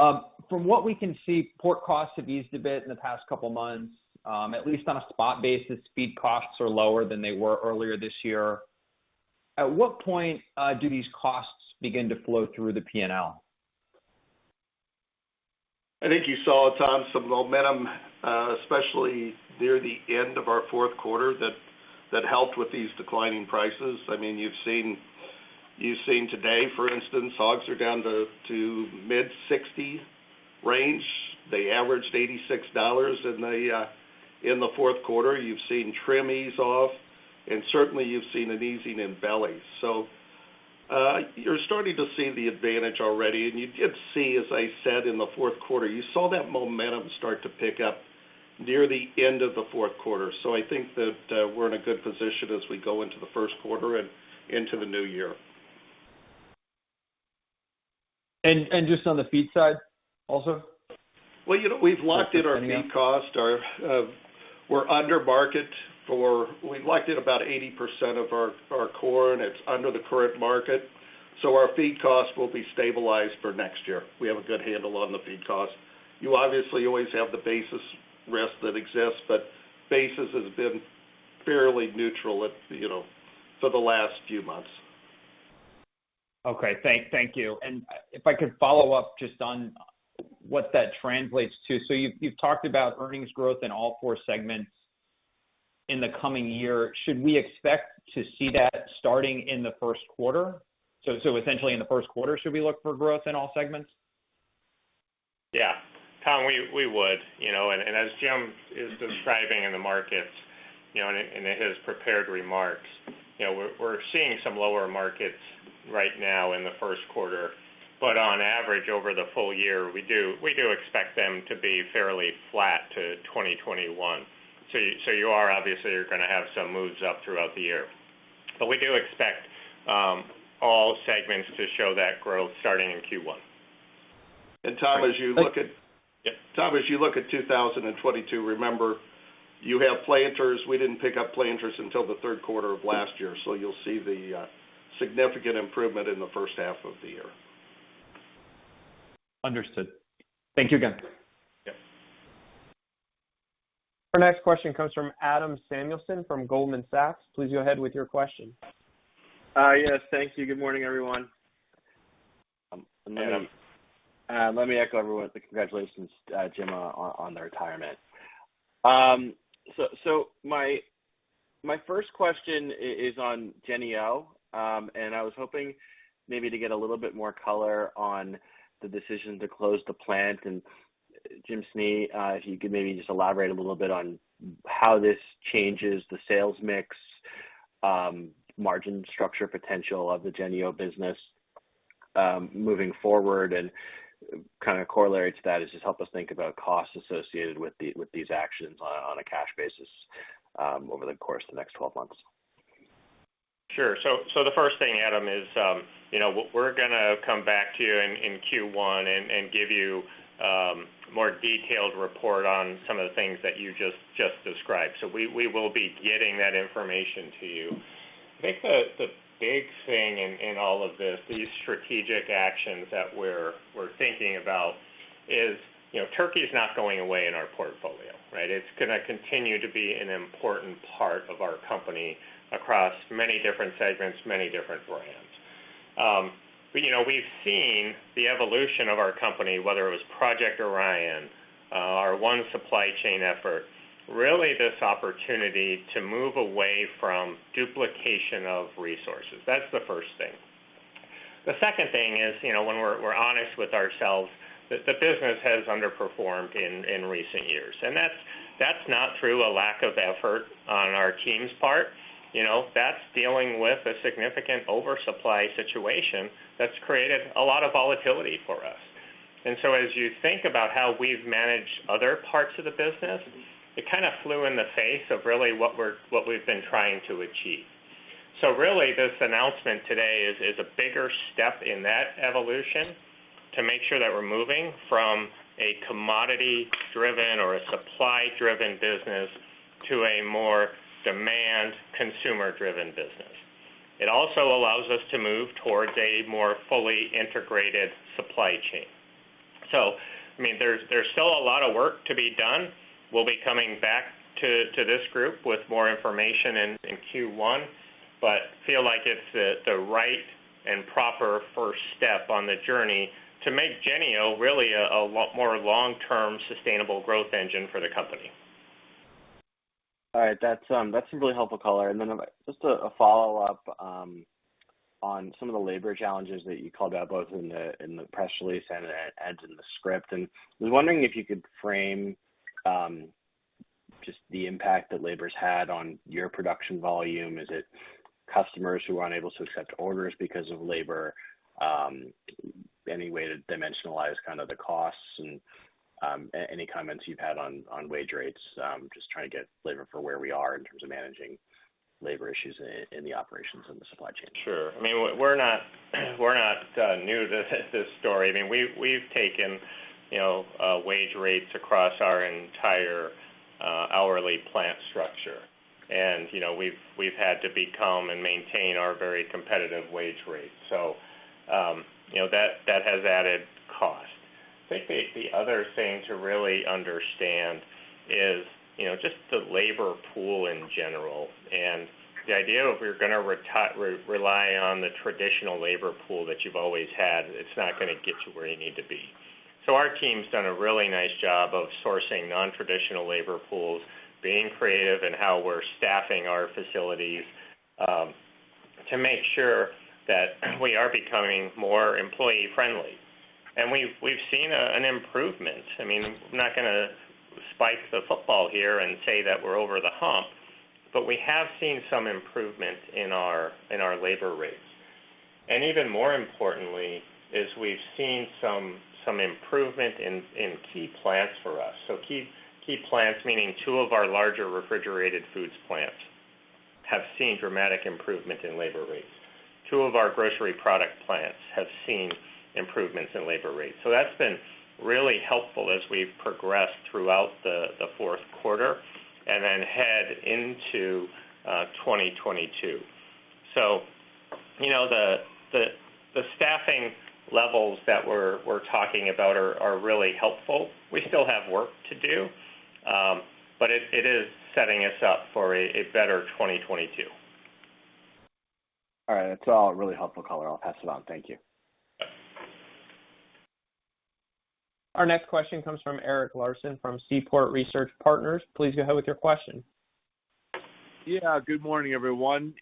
Tom. From what we can see, pork costs have eased a bit in the past couple of months. At least on a spot basis, feed costs are lower than they were earlier this year. At what point do these costs begin to flow through the P&L? I think you saw, Tom, some momentum, especially near the end of our fourth quarter that helped with these declining prices. I mean, you've seen today, for instance, hogs are down to mid-60 range. They averaged $86 in the fourth quarter. You've seen trim ease off, and certainly you've seen an easing in bellies. You're starting to see the advantage already. You did see, as I said, in the fourth quarter, that momentum start to pick up near the end of the fourth quarter. I think that we're in a good position as we go into the first quarter and into the new year. Just on the feed side also? Well, you know, we've locked in our feed cost. Our. We're under market. We've locked in about 80% of our corn. It's under the current market. Our feed costs will be stabilized for next year. We have a good handle on the feed costs. You obviously always have the basis risk that exists, but basis has been fairly neutral at, you know, for the last few months. Okay. Thank you. If I could follow up just on what that translates to. You've talked about earnings growth in all four segments in the coming year. Should we expect to see that starting in the first quarter? Essentially in the first quarter, should we look for growth in all segments? Yeah. Tom, we would, you know. As Jim is describing in the markets, you know, in his prepared remarks, you know, we're seeing some lower markets right now in the first quarter. On average, over the full year, we do expect them to be fairly flat to 2021. You are obviously gonna have some moves up throughout the year. We do expect all segments to show that growth starting in Q1. Tom, as you look at- Yeah. Tom, as you look at 2022, remember, you have Planters. We didn't pick up Planters until the third quarter of last year. You'll see the significant improvement in the first half of the year. Understood. Thank you again. Yeah. Our next question comes from Adam Samuelson from Goldman Sachs. Please go ahead with your question. Yes. Thank you. Good morning, everyone. Good morning. Let me echo everyone with the congratulations, Jim, on the retirement. So my first question is on Jennie-O, and I was hoping maybe to get a little bit more color on the decision to close the plant. Jim Snee, if you could maybe just elaborate a little bit on how this changes the sales mix, margin structure potential of the Jennie-O business, moving forward, and kinda correlate to that is just help us think about costs associated with these actions on a cash basis, over the course of the next 12 months. Sure. The first thing, Adam, is, you know, we're gonna come back to you in Q1 and give you more detailed report on some of the things that you just described. We will be getting that information to you. I think the big thing in all of this, these strategic actions that we're thinking about is, you know, turkey is not going away in our portfolio, right? It's gonna continue to be an important part of our company across many different segments, many different brands. You know, we've seen the evolution of our company, whether it was Project Orion, our One Supply Chain effort, really this opportunity to move away from duplication of resources. That's the first thing. The second thing is, you know, when we're honest with ourselves that the business has underperformed in recent years. That's not through a lack of effort on our team's part. You know, that's dealing with a significant oversupply situation that's created a lot of volatility for us. As you think about how we've managed other parts of the business, it kinda flew in the face of really what we've been trying to achieve. Really, this announcement today is a bigger step in that evolution to make sure that we're moving from a commodity-driven or a supply-driven business to a more demand consumer-driven business. It also allows us to move towards a more fully integrated supply chain. I mean, there's still a lot of work to be done. We'll be coming back to this group with more information in Q1, but feel like it's the right and proper first step on the journey to make Jennie-O really a lot more long-term sustainable growth engine for the company. All right. That's a really helpful color. Then just a follow-up on some of the labor challenges that you called out, both in the press release and in the script. I was wondering if you could frame just the impact that labor's had on your production volume. Is it customers who are unable to accept orders because of labor? Any way to dimensionalize kind of the costs and any comments you've had on wage rates? Just trying to get flavor for where we are in terms of managing labor issues in the operations and the Supply Chain. Sure. I mean, we're not new to this story. I mean, we've taken, you know, wage rates across our entire hourly plant structure. You know, we've had to become and maintain our very competitive wage rates. You know, that has added cost. I think the other thing to really understand is, you know, just the labor pool in general and the idea if we're gonna rely on the traditional labor pool that you've always had, it's not gonna get you where you need to be. Our team's done a really nice job of sourcing nontraditional labor pools, being creative in how we're staffing our facilities, to make sure that we are becoming more employee-friendly. We've seen an improvement. I mean, I'm not gonna spike the football here and say that we're over the hump, but we have seen some improvement in our labor rates. Even more importantly is we've seen some improvement in key plants for us. Key plants, meaning two of our larger Refrigerated Foods plants, have seen dramatic improvement in labor rates. Two of our Grocery Products plants have seen improvements in labor rates. That's been really helpful as we progress throughout the fourth quarter and then head into 2022. You know, the staffing levels that we're talking about are really helpful. We still have work to do, but it is setting us up for a better 2022. All right. That's all really helpful color. I'll pass it on. Thank you. Our next question comes from Eric Larson from Seaport Research Partners. Please go ahead with your question. Good morning, everyone.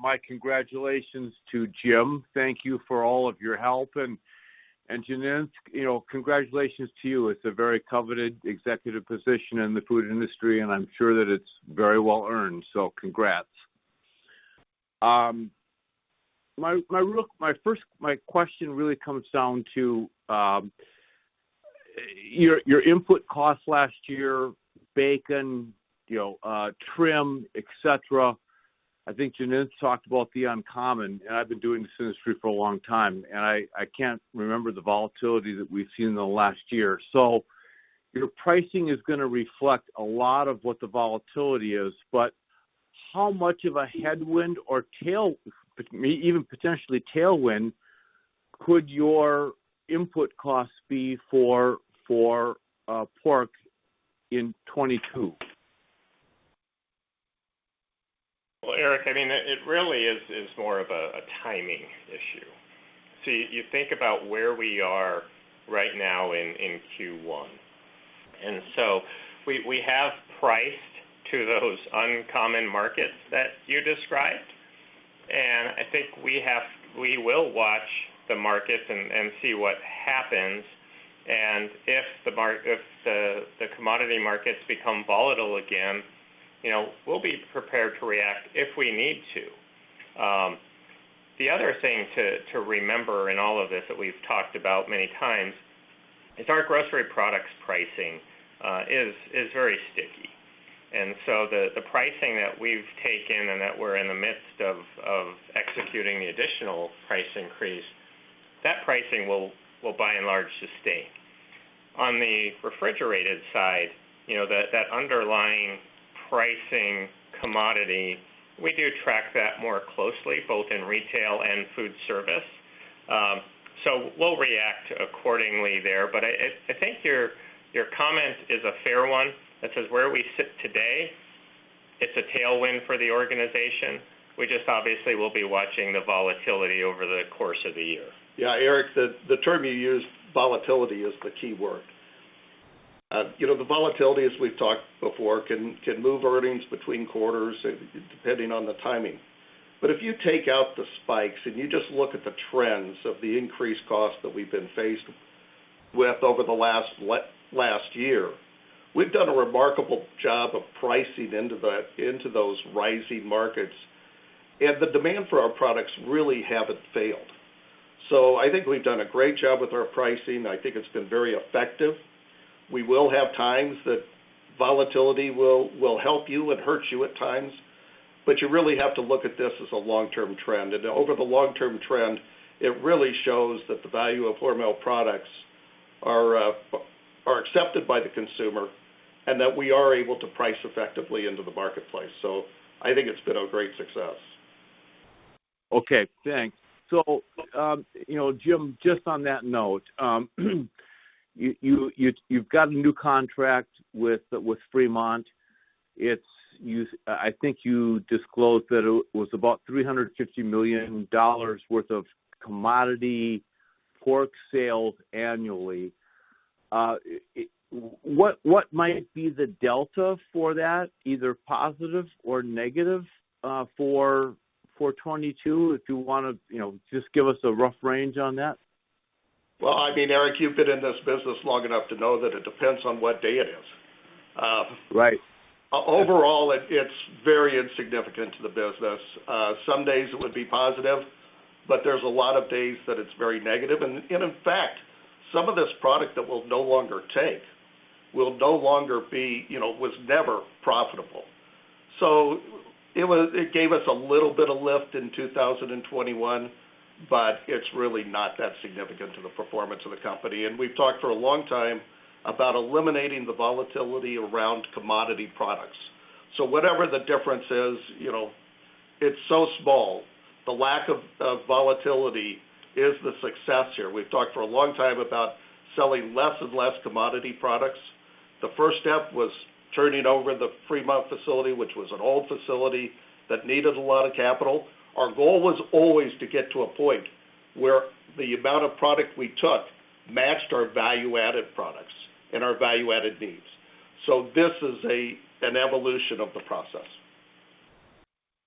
My congratulations to Jim. Thank you for all of your help. Jacinth, you know, congratulations to you. It's a very coveted executive position in the food industry, and I'm sure that it's very well earned. Congrats. My question really comes down to your input costs last year, bacon, you know, trim, et cetera. I think Jacinth talked about the unknown, and I've been doing this industry for a long time, and I can't remember the volatility that we've seen in the last year. Your pricing is gonna reflect a lot of what the volatility is, but how much of a headwind or tailwind, even potentially tailwind could your input costs be for pork in 2022? Well, Eric, I mean, it really is more of a timing issue. You think about where we are right now in Q1. We have priced to those uncommon markets that you described, and I think we will watch the markets and see what happens. If the commodity markets become volatile again, you know, we'll be prepared to react if we need to. The other thing to remember in all of this that we've talked about many times is our Grocery Products pricing is very sticky. The pricing that we've taken and that we're in the midst of executing the additional price increase, that pricing will by and large sustain. On the refrigerated side, you know, that underlying pricing commodity, we do track that more closely both in retail and food service. We'll react accordingly there. I think your comment is a fair one that says, where we sit today, it's a tailwind for the organization. We just obviously will be watching the volatility over the course of the year. Yeah. Eric, the term you used, volatility, is the key word. You know, the volatility, as we've talked before, can move earnings between quarters depending on the timing. If you take out the spikes and you just look at the trends of the increased costs that we've been faced with over the last year, we've done a remarkable job of pricing into those rising markets. The demand for our products really haven't failed. I think we've done a great job with our pricing. I think it's been very effective. We will have times that volatility will help you and hurt you at times. You really have to look at this as a long-term trend. Over the long-term trend, it really shows that the value of Hormel products are accepted by the consumer and that we are able to price effectively into the marketplace. I think it's been a great success. Okay, thanks. You know, Jim, just on that note, you've got a new contract with Fremont. It's, I think you disclosed that it was about $350 million worth of commodity pork sales annually. What might be the delta for that, either positive or negative, for 2022, if you wanna, you know, just give us a rough range on that? Well, I mean, Eric, you've been in this business long enough to know that it depends on what day it is. Right. Overall, it's very insignificant to the business. Some days it would be positive, but there's a lot of days that it's very negative. In fact, some of this product that we'll no longer take, you know, was never profitable. It gave us a little bit of lift in 2021, but it's really not that significant to the performance of the company. We've talked for a long time about eliminating the volatility around commodity products. Whatever the difference is, you know, it's so small. The lack of volatility is the success here. We've talked for a long time about selling less and less commodity products. The first step was turning over the Fremont facility, which was an old facility that needed a lot of capital. Our goal was always to get to a point where the amount of product we took matched our value-added products and our value-added needs. This is an evolution of the process.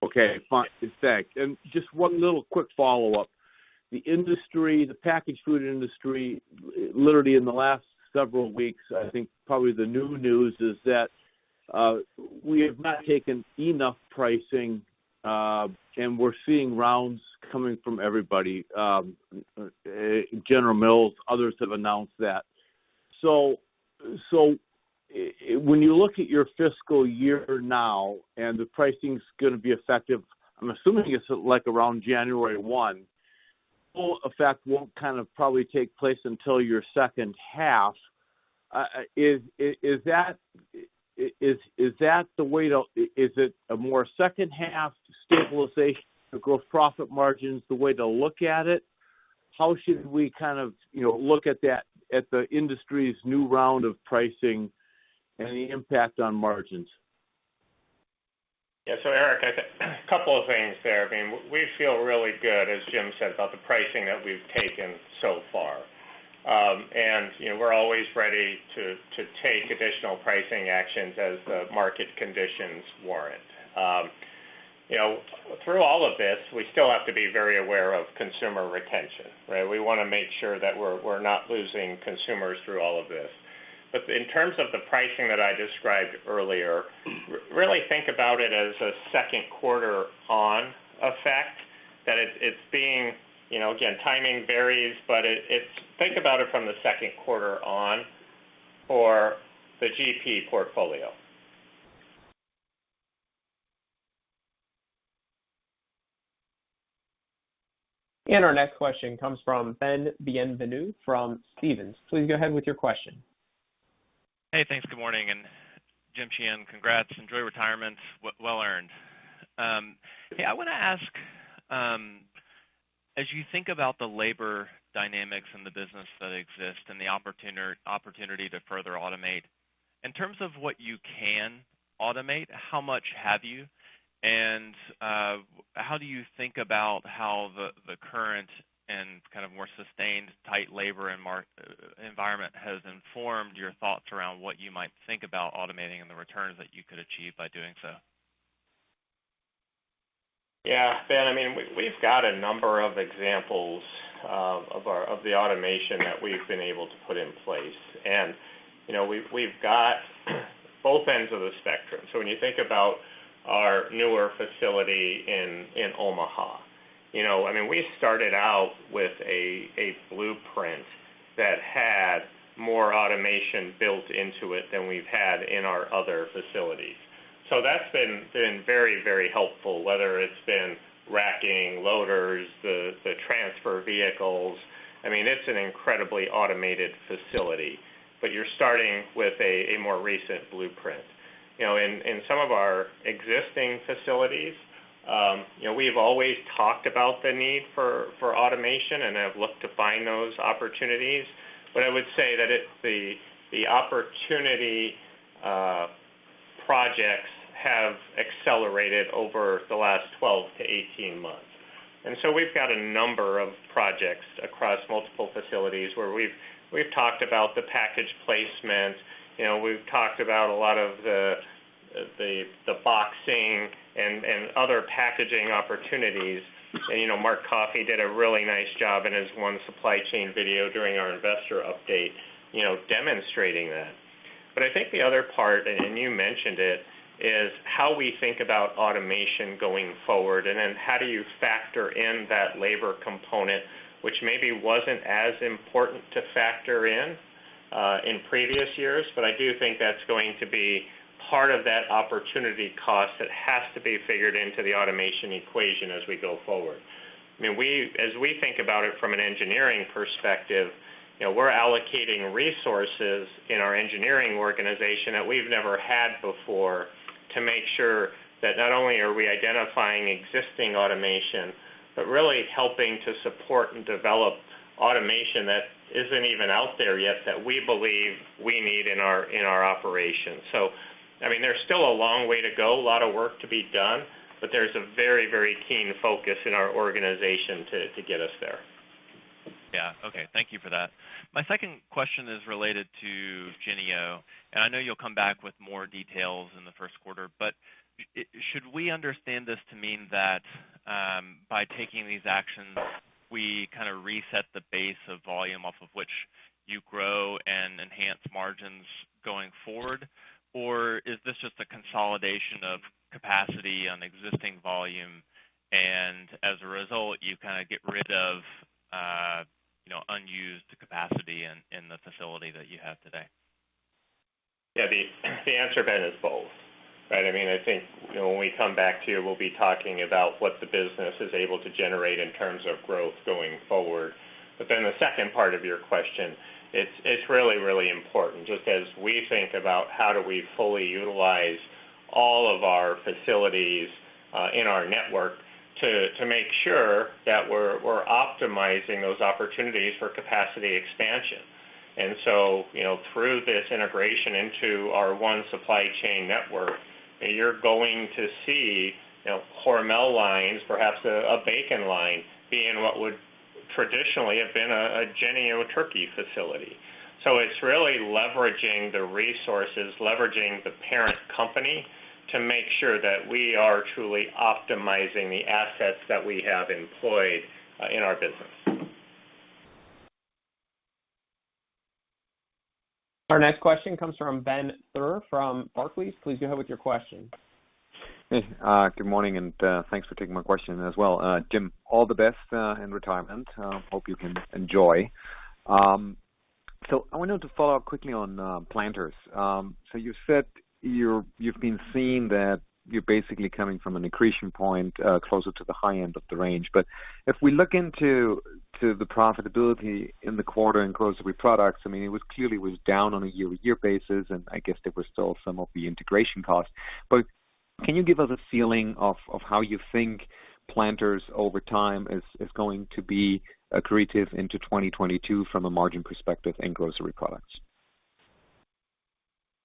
Okay, fine. Thanks. Just one little quick follow-up. The industry, the packaged food industry, literally in the last several weeks, I think probably the new news is that we have not taken enough pricing, and we're seeing rounds coming from everybody, General Mills, others have announced that. When you look at your fiscal year now and the pricing is gonna be effective, I'm assuming it's like around January 1. Full effect won't kind of probably take place until your second half. Is it a more second half stabilization of gross profit margins, the way to look at it? How should we kind of, you know, look at the industry's new round of pricing and the impact on margins? Yeah. Eric, a couple of things there. I mean, we feel really good, as Jim said, about the pricing that we've taken so far. You know, we're always ready to take additional pricing actions as the market conditions warrant. You know, through all of this, we still have to be very aware of consumer retention, right? We wanna make sure that we're not losing consumers through all of this. In terms of the pricing that I described earlier, really think about it as a second quarter on effect. Again, timing varies, but think about it from the second quarter on for the GP portfolio. Our next question comes from Ben Bienvenu from Stephens. Please go ahead with your question. Hey, thanks. Good morning. Jim Sheehan, congrats. Enjoy retirement. Well earned. Hey, I wanna ask, as you think about the labor dynamics in the business that exist and the opportunity to further automate, in terms of what you can automate, how much have you? And how do you think about how the current and kind of more sustained tight labor and environment has informed your thoughts around what you might think about automating and the returns that you could achieve by doing so? Yeah, Ben, I mean, we've got a number of examples of the automation that we've been able to put in place. You know, we've got both ends of the spectrum. When you think about our newer facility in Omaha, you know, I mean, we started out with a blueprint that had more automation built into it than we've had in our other facilities. That's been very helpful, whether it's been racking, loaders, the transfer vehicles. I mean, it's an incredibly automated facility. You're starting with a more recent blueprint. You know, in some of our existing facilities, you know, we've always talked about the need for automation and have looked to find those opportunities. I would say that it's the opportunity, projects have accelerated over the last 12-18 months. We've got a number of projects across multiple facilities where we've talked about the package placement. You know, we've talked about a lot of the boxing and other packaging opportunities. You know, Mark Coffey did a really nice job in his One Supply Chain video during our investor update, you know, demonstrating that. I think the other part, and you mentioned it, is how we think about automation going forward, and then how do you factor in that labor component, which maybe wasn't as important to factor in in previous years. I do think that's going to be part of that opportunity cost that has to be figured into the automation equation as we go forward. I mean, as we think about it from an engineering perspective, you know, we're allocating resources in our engineering organization that we've never had before to make sure that not only are we identifying existing automation, but really helping to support and develop automation that isn't even out there yet that we believe we need in our operations. I mean, there's still a long way to go, a lot of work to be done, but there's a very, very keen focus in our organization to get us there. Yeah. Okay. Thank you for that. My second question is related to Jennie-O, and I know you'll come back with more details in the first quarter, but, should we understand this to mean that, by taking these actions, we kinda reset the base of volume off of which you grow and enhance margins going forward? Or is this just a consolidation of capacity on existing volume, and as a result, you kinda get rid of, you know, unused capacity in the facility that you have today? Yeah. The answer, Ben, is both, right? I mean, I think, you know, when we come back here, we'll be talking about what the business is able to generate in terms of growth going forward. But then the second part of your question, it's really important just as we think about how do we fully utilize all of our facilities in our network to make sure that we're optimizing those opportunities for capacity expansion. You know, through this integration into our One Supply Chain network, you're going to see, you know, Hormel lines, perhaps a bacon line being what would traditionally have been a Jennie-O turkey facility. It's really leveraging the resources, leveraging the parent company to make sure that we are truly optimizing the assets that we have employed in our business. Our next question comes from Benjamin Theurer from Barclays. Please go ahead with your question. Hey, good morning, and thanks for taking my question as well. Jim, all the best in retirement. Hope you can enjoy. I wanted to follow up quickly on Planters. You said you've been seeing that you're basically coming from an accretion point closer to the high end of the range. If we look into the profitability in the quarter in Grocery Products, I mean, it was clearly down on a year-over-year basis, and I guess there was still some of the integration costs. Can you give us a feeling of how you think Planters over time is going to be accretive into 2022 from a margin perspective in Grocery Products?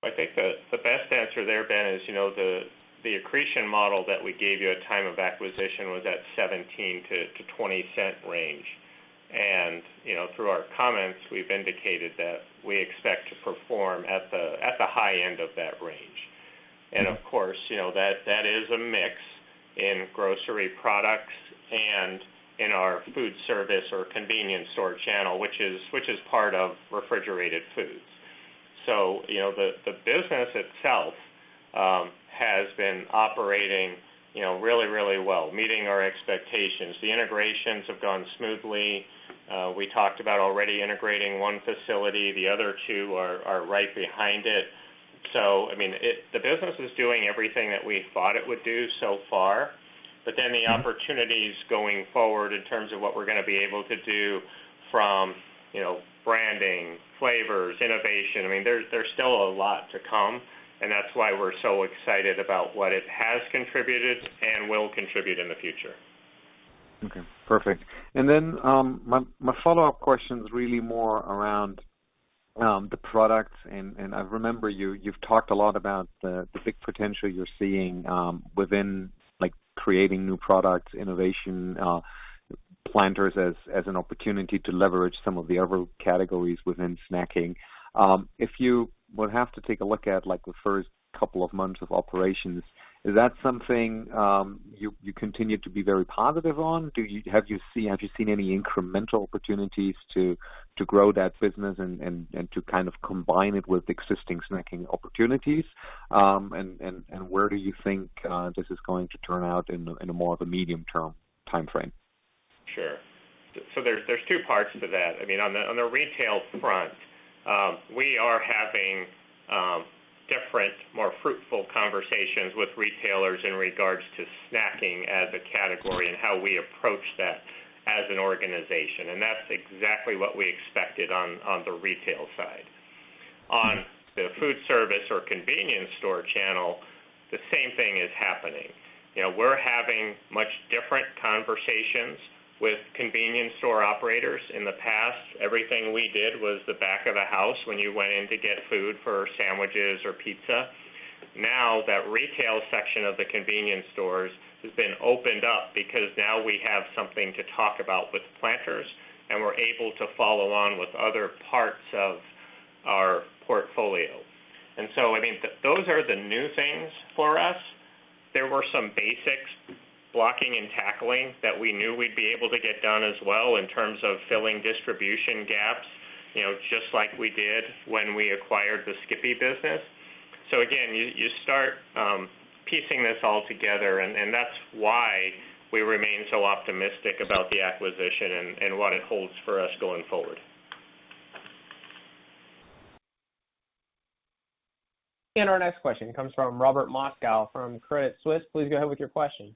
I think the best answer there, Ben, is you know the accretion model that we gave you at time of acquisition was at $0.17-$0.20 range. Through our comments, we've indicated that we expect to perform at the high end of that range. Of course, you know that is a mix in Grocery Products and in our food service or convenience store channel, which is part of Refrigerated Foods. You know the business itself has been operating really well, meeting our expectations. The integrations have gone smoothly. We talked about already integrating one facility, the other two are right behind it. I mean, the business is doing everything that we thought it would do so far. The opportunities going forward in terms of what we're gonna be able to do from, you know, branding, flavors, innovation, I mean, there's still a lot to come, and that's why we're so excited about what it has contributed and will contribute in the future. Okay. Perfect. My follow-up question is really more around the products. I remember you've talked a lot about the big potential you're seeing within like creating new products, innovation, Planters as an opportunity to leverage some of the other categories within snacking. If you would have to take a look at like the first couple of months of operations, is that something you continue to be very positive on? Have you seen any incremental opportunities to grow that business and to kind of combine it with existing snacking opportunities? Where do you think this is going to turn out in a more of a medium term timeframe? Sure. There are two parts to that. I mean, on the retail front, we are having different, more fruitful conversations with retailers in regards to snacking as a category and how we approach that as an organization. That's exactly what we expected on the retail side. On the food service or convenience store channel, the same thing is happening. You know, we're having much different conversations with convenience store operators. In the past, everything we did was the back of a house when you went in to get food for sandwiches or pizza. Now, that retail section of the convenience stores has been opened up because now we have something to talk about with Planters, and we're able to follow on with other parts of our portfolio. I mean, those are the new things for us. There were some basics, blocking and tackling that we knew we'd be able to get done as well in terms of filling distribution gaps, you know, just like we did when we acquired the Skippy business. Again, you start piecing this all together, and that's why we remain so optimistic about the acquisition and what it holds for us going forward. Our next question comes from Robert Moskow from Credit Suisse. Please go ahead with your question.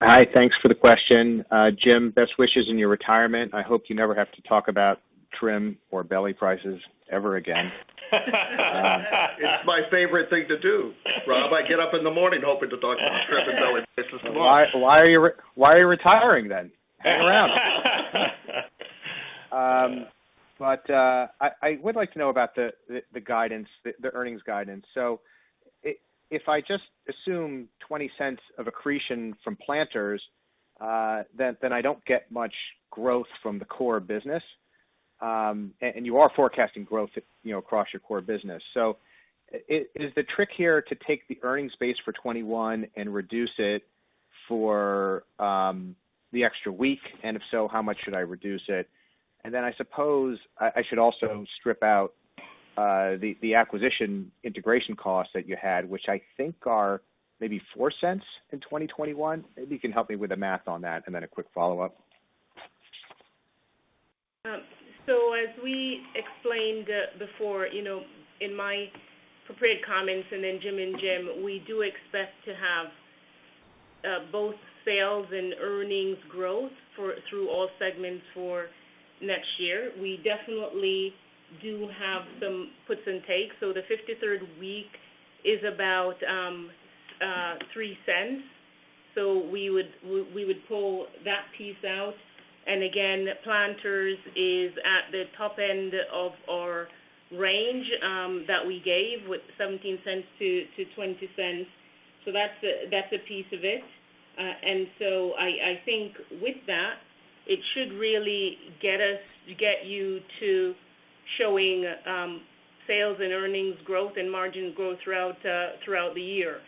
Hi, thanks for the question. Jim, best wishes in your retirement. I hope you never have to talk about trim or belly prices ever again. It's my favorite thing to do, Rob. I get up in the morning hoping to talk about trim and belly prices. Why are you retiring then? Hang around. I would like to know about the guidance, the earnings guidance. If I just assume $0.20 of accretion from Planters, then I don't get much growth from the core business, and you are forecasting growth, you know, across your core business. Is the trick here to take the earnings base for 2021 and reduce it for the extra week? If so, how much should I reduce it? Then I suppose I should also strip out the acquisition integration costs that you had which I think are maybe $0.04 in 2021. Maybe you can help me with the math on that, then a quick follow-up. As we explained before, you know, in my prepared comments and then Jim and Jim, we do expect to have both sales and earnings growth through all segments for next year. We definitely do have some puts and takes. The 53rd week is about $0.03. We would pull that piece out. Again, Planters is at the top end of our range that we gave with $0.17-$0.20. That's a piece of it. I think with that it should really get you to showing sales and earnings growth and margin growth throughout the year.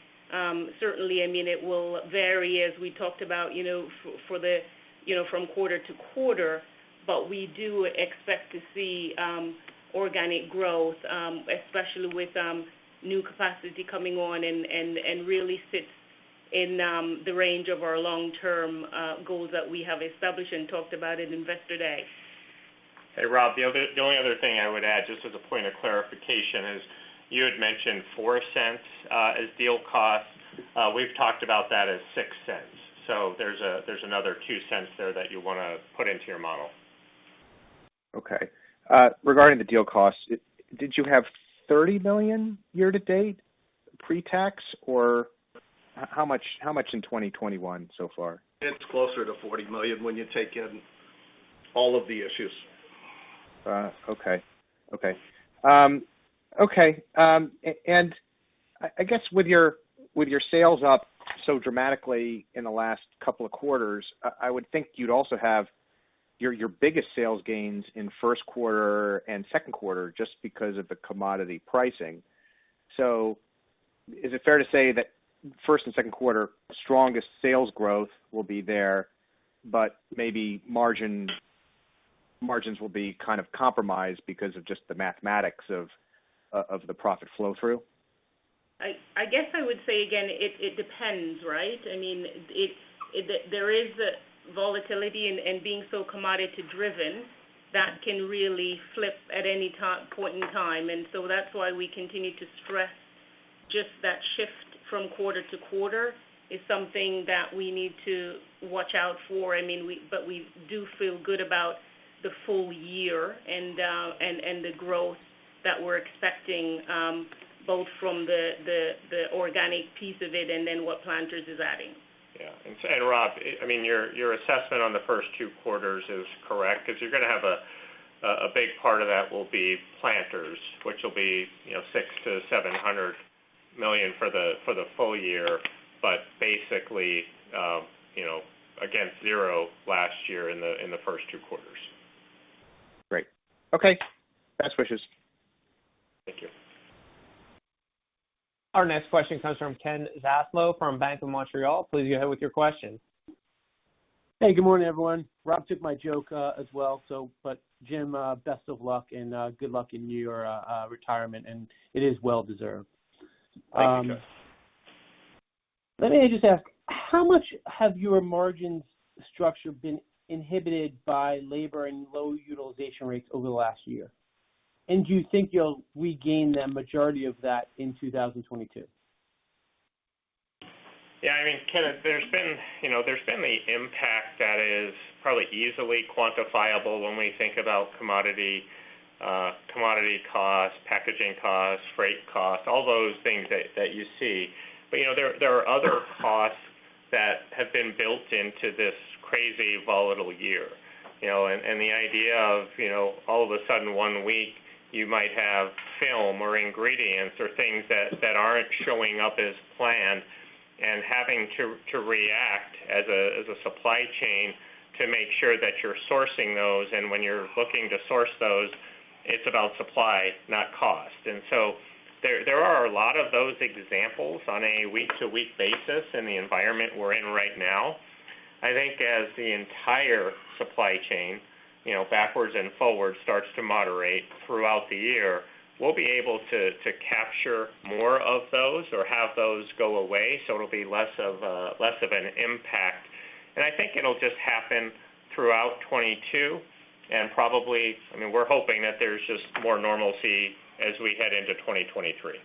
Certainly, I mean, it will vary as we talked about, you know, for the, you know, from quarter to quarter, but we do expect to see organic growth, especially with new capacity coming on and really sits in the range of our long-term goals that we have established and talked about in Investor Day. Hey, Rob, the only other thing I would add just as a point of clarification is you had mentioned $0.04 as deal cost. We've talked about that as $0.06. There's another $0.02 there that you wanna put into your model. Okay. Regarding the deal cost, did you have $30 million year-to-date pre-tax or how much in 2021 so far? It's closer to $40 million when you take in all of the issues. I guess with your sales up so dramatically in the last couple of quarters, I would think you'd also have your biggest sales gains in first quarter and second quarter just because of the commodity pricing. Is it fair to say that first and second quarter strongest sales growth will be there, but maybe margins will be kind of compromised because of just the mathematics of the profit flow through? I guess I would say again, it depends, right? I mean, there is a volatility and being so commodity driven that can really flip at any point in time. That's why we continue to stress just that shift from quarter to quarter is something that we need to watch out for. I mean, but we do feel good about the full year and the growth that we're expecting, both from the organic piece of it and then what Planters is adding. Yeah. Rob, I mean, your assessment on the first two quarters is correct, 'cause you're gonna have a big part of that will be Planters, which will be, you know, $600 million-$700 million for the full year, but basically, you know, again, zero last year in the first two quarters. Great. Okay. Best wishes. Thank you. Our next question comes from Ken Zaslow from Bank of Montreal. Please go ahead with your question. Hey, good morning, everyone. Rob took my joke as well. Jim, best of luck and good luck in your retirement, and it is well deserved. Thank you, Ken. Let me just ask, how much has your margin structure been inhibited by labor and low utilization rates over the last year? Do you think you'll regain the majority of that in 2022? Yeah, I mean, Ken, there's been, you know, the impact that is probably easily quantifiable when we think about commodity costs, packaging costs, freight costs, all those things that you see. But you know, there are other costs that have been built into this crazy volatile year, you know. The idea of, you know, all of a sudden one week you might have film or ingredients or things that aren't showing up as planned and having to react as a supply chain to make sure that you're sourcing those and when you're looking to source those. It's about supply, not cost. There are a lot of those examples on a week-to-week basis in the environment we're in right now. I think as the entire supply chain, you know, backwards and forwards, starts to moderate throughout the year, we'll be able to to capture more of those or have those go away, so it'll be less of an impact. I think it'll just happen throughout 2022. Probably, I mean, we're hoping that there's just more normalcy as we head into 2023.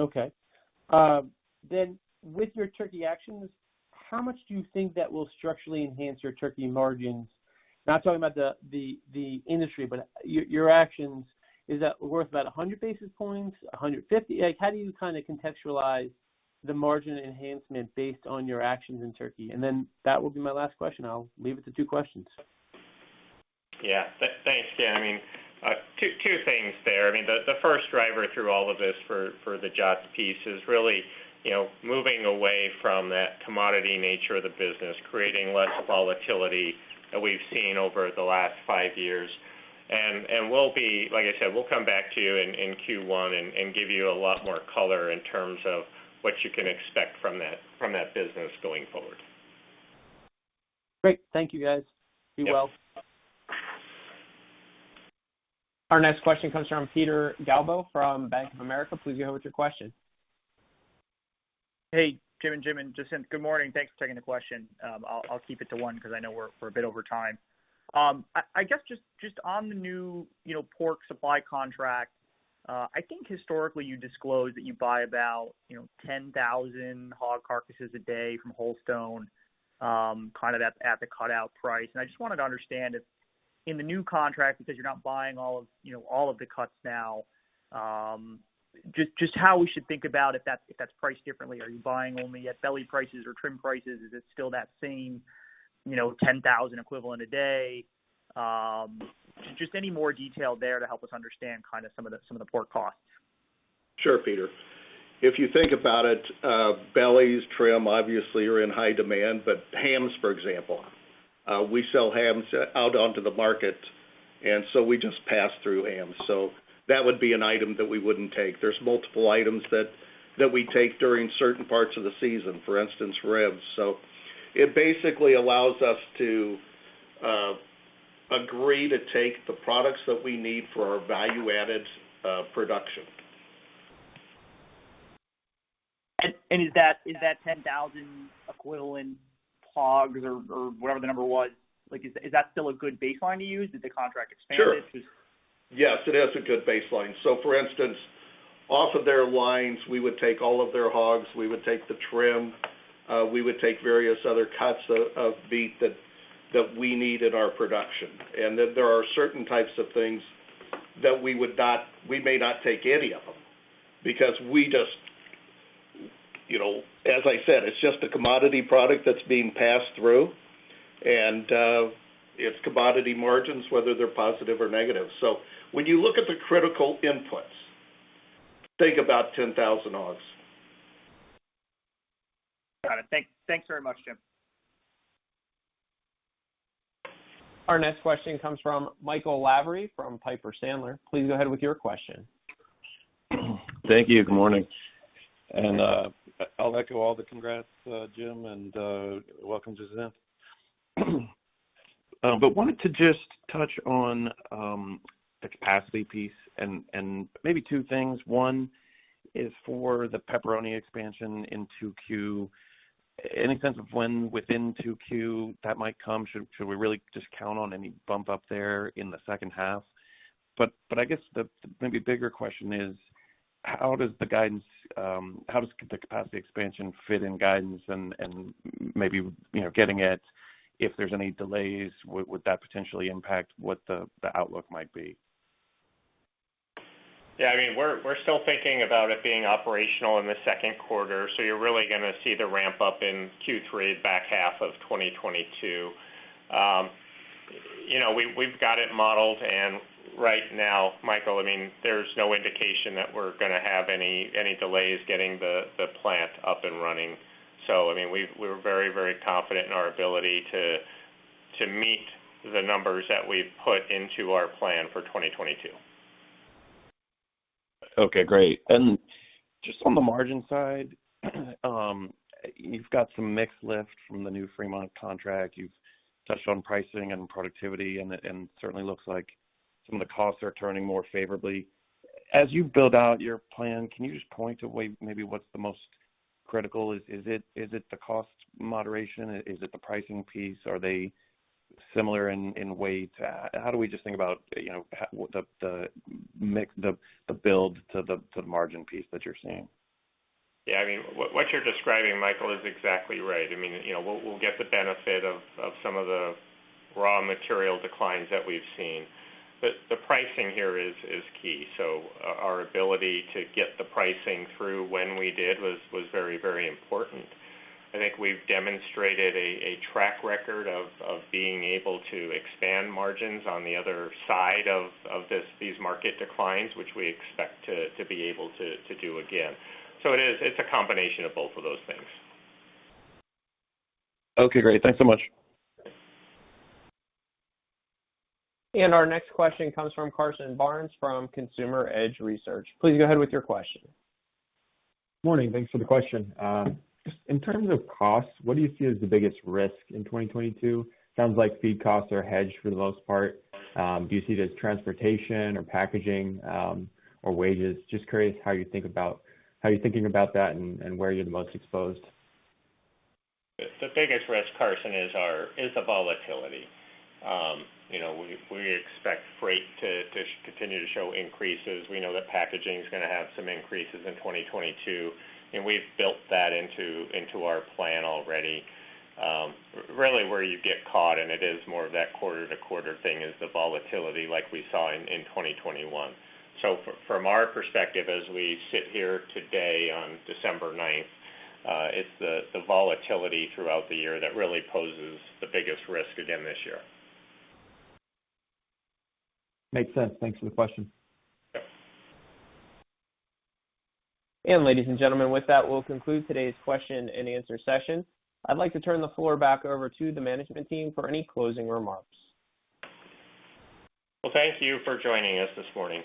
Okay. Then with your turkey actions, how much do you think that will structurally enhance your turkey margins? Not talking about the industry, but your actions. Is that worth about 100 basis points, 150? Like, how do you kind of contextualize the margin enhancement based on your actions in turkey? Then that will be my last question. I'll leave it to two questions. Yeah. Thanks, Ken. I mean, two things there. I mean, the first driver through all of this for the Jennie-O Turkey Store piece is really, you know, moving away from that commodity nature of the business, creating less volatility that we've seen over the last five years. Like I said, we'll come back to you in Q1 and give you a lot more color in terms of what you can expect from that business going forward. Great. Thank you guys. Be well. Our next question comes from Peter Galbo from Bank of America. Please go ahead with your question. Hey, Jim and Jim. Just good morning. Thanks for taking the question. I'll keep it to one because I know we're a bit over time. I guess just on the new, you know, pork supply contract, I think historically you disclose that you buy about, you know, 10,000 hog carcasses a day from Wholestone, kind of at the cutout price. I just wanted to understand if in the new contract, because you're not buying all of, you know, all of the cuts now, just how we should think about if that's priced differently. Are you buying only at belly prices or trim prices? Is it still that same, you know, 10,000 equivalent a day? Just any more detail there to help us understand kind of some of the pork costs? Sure, Peter. If you think about it, bellies, trim, obviously are in high demand. Hams, for example, we sell hams out onto the market, and so we just pass through hams. That would be an item that we wouldn't take. There's multiple items that we take during certain parts of the season, for instance, ribs. It basically allows us to agree to take the products that we need for our value-added production. Is that 10,000 equivalent hogs or whatever the number was? Like, is that still a good baseline to use? Did the contract expand it? Sure. Yes, it is a good baseline. For instance, off of their lines, we would take all of their hogs, we would take the trim, we would take various other cuts of beef that we need in our production. There are certain types of things that we may not take any of them because we just, you know, as I said, it's just a commodity product that's being passed through, and it's commodity margins, whether they're positive or negative. When you look at the critical inputs, think about 10,000 hogs. Got it. Thanks very much, Jim. Our next question comes from Michael Lavery from Piper Sandler. Please go ahead with your question. Thank you. Good morning. I'll echo all the congrats, Jim, and welcome, Jacinth. I wanted to just touch on the capacity piece and maybe two things. One is for the pepperoni expansion in 2Q. Any sense of when within 2Q that might come? Should we really just count on any bump up there in the second half? I guess the maybe bigger question is: how does the guidance, how does the capacity expansion fit in guidance and maybe, you know, getting it, if there's any delays, would that potentially impact what the outlook might be? Yeah. I mean, we're still thinking about it being operational in the second quarter. So you're really gonna see the ramp up in Q3 back half of 2022. You know, we've got it modeled, and right now, Michael, I mean, there's no indication that we're gonna have any delays getting the plant up and running. I mean, we're very confident in our ability to meet the numbers that we've put into our plan for 2022. Okay, great. Just on the margin side, you've got some mix lift from the new Fremont contract. You've touched on pricing and productivity, and certainly looks like some of the costs are turning more favorably. As you build out your plan, can you just point to way maybe what's the most critical? Is it the cost moderation? Is it the pricing piece? Are they similar in weight? How do we just think about, you know, the mix, the build to the margin piece that you're seeing? Yeah. I mean, what you're describing, Michael, is exactly right. I mean, you know, we'll get the benefit of some of the raw material declines that we've seen. The pricing here is key. Our ability to get the pricing through when we did was very important. I think we've demonstrated a track record of being able to expand margins on the other side of these market declines, which we expect to be able to do again. It is, it's a combination of both of those things. Okay, great. Thanks so much. Our next question comes from Carson Barnes from Consumer Edge Research. Please go ahead with your question. Morning. Thanks for the question. Just in terms of costs, what do you see as the biggest risk in 2022? Sounds like feed costs are hedged for the most part. Do you see it as transportation or packaging, or wages? Just curious how you're thinking about that and where you're the most exposed. The biggest risk, Carson, is the volatility. You know, we expect freight to continue to show increases. We know that packaging's gonna have some increases in 2022, and we've built that into our plan already. Really where you get caught, and it is more of that quarter-to-quarter thing, is the volatility like we saw in 2021. From our perspective as we sit here today on December ninth, it's the volatility throughout the year that really poses the biggest risk again this year. Makes sense. Thanks for the question. Ladies and gentlemen, with that, we'll conclude today's question-and-answer session. I'd like to turn the floor back over to the management team for any closing remarks. Well, thank you for joining us this morning.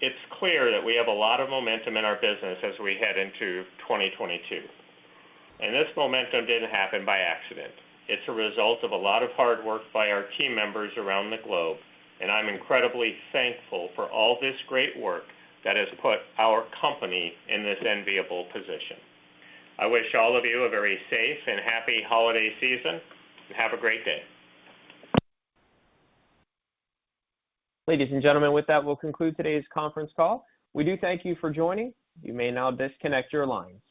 It's clear that we have a lot of momentum in our business as we head into 2022. This momentum didn't happen by accident. It's a result of a lot of hard work by our team members around the globe, and I'm incredibly thankful for all this great work that has put our company in this enviable position. I wish all of you a very safe and happy holiday season, and have a great day. Ladies and gentlemen, with that, we'll conclude today's conference call. We do thank you for joining. You may now disconnect your lines.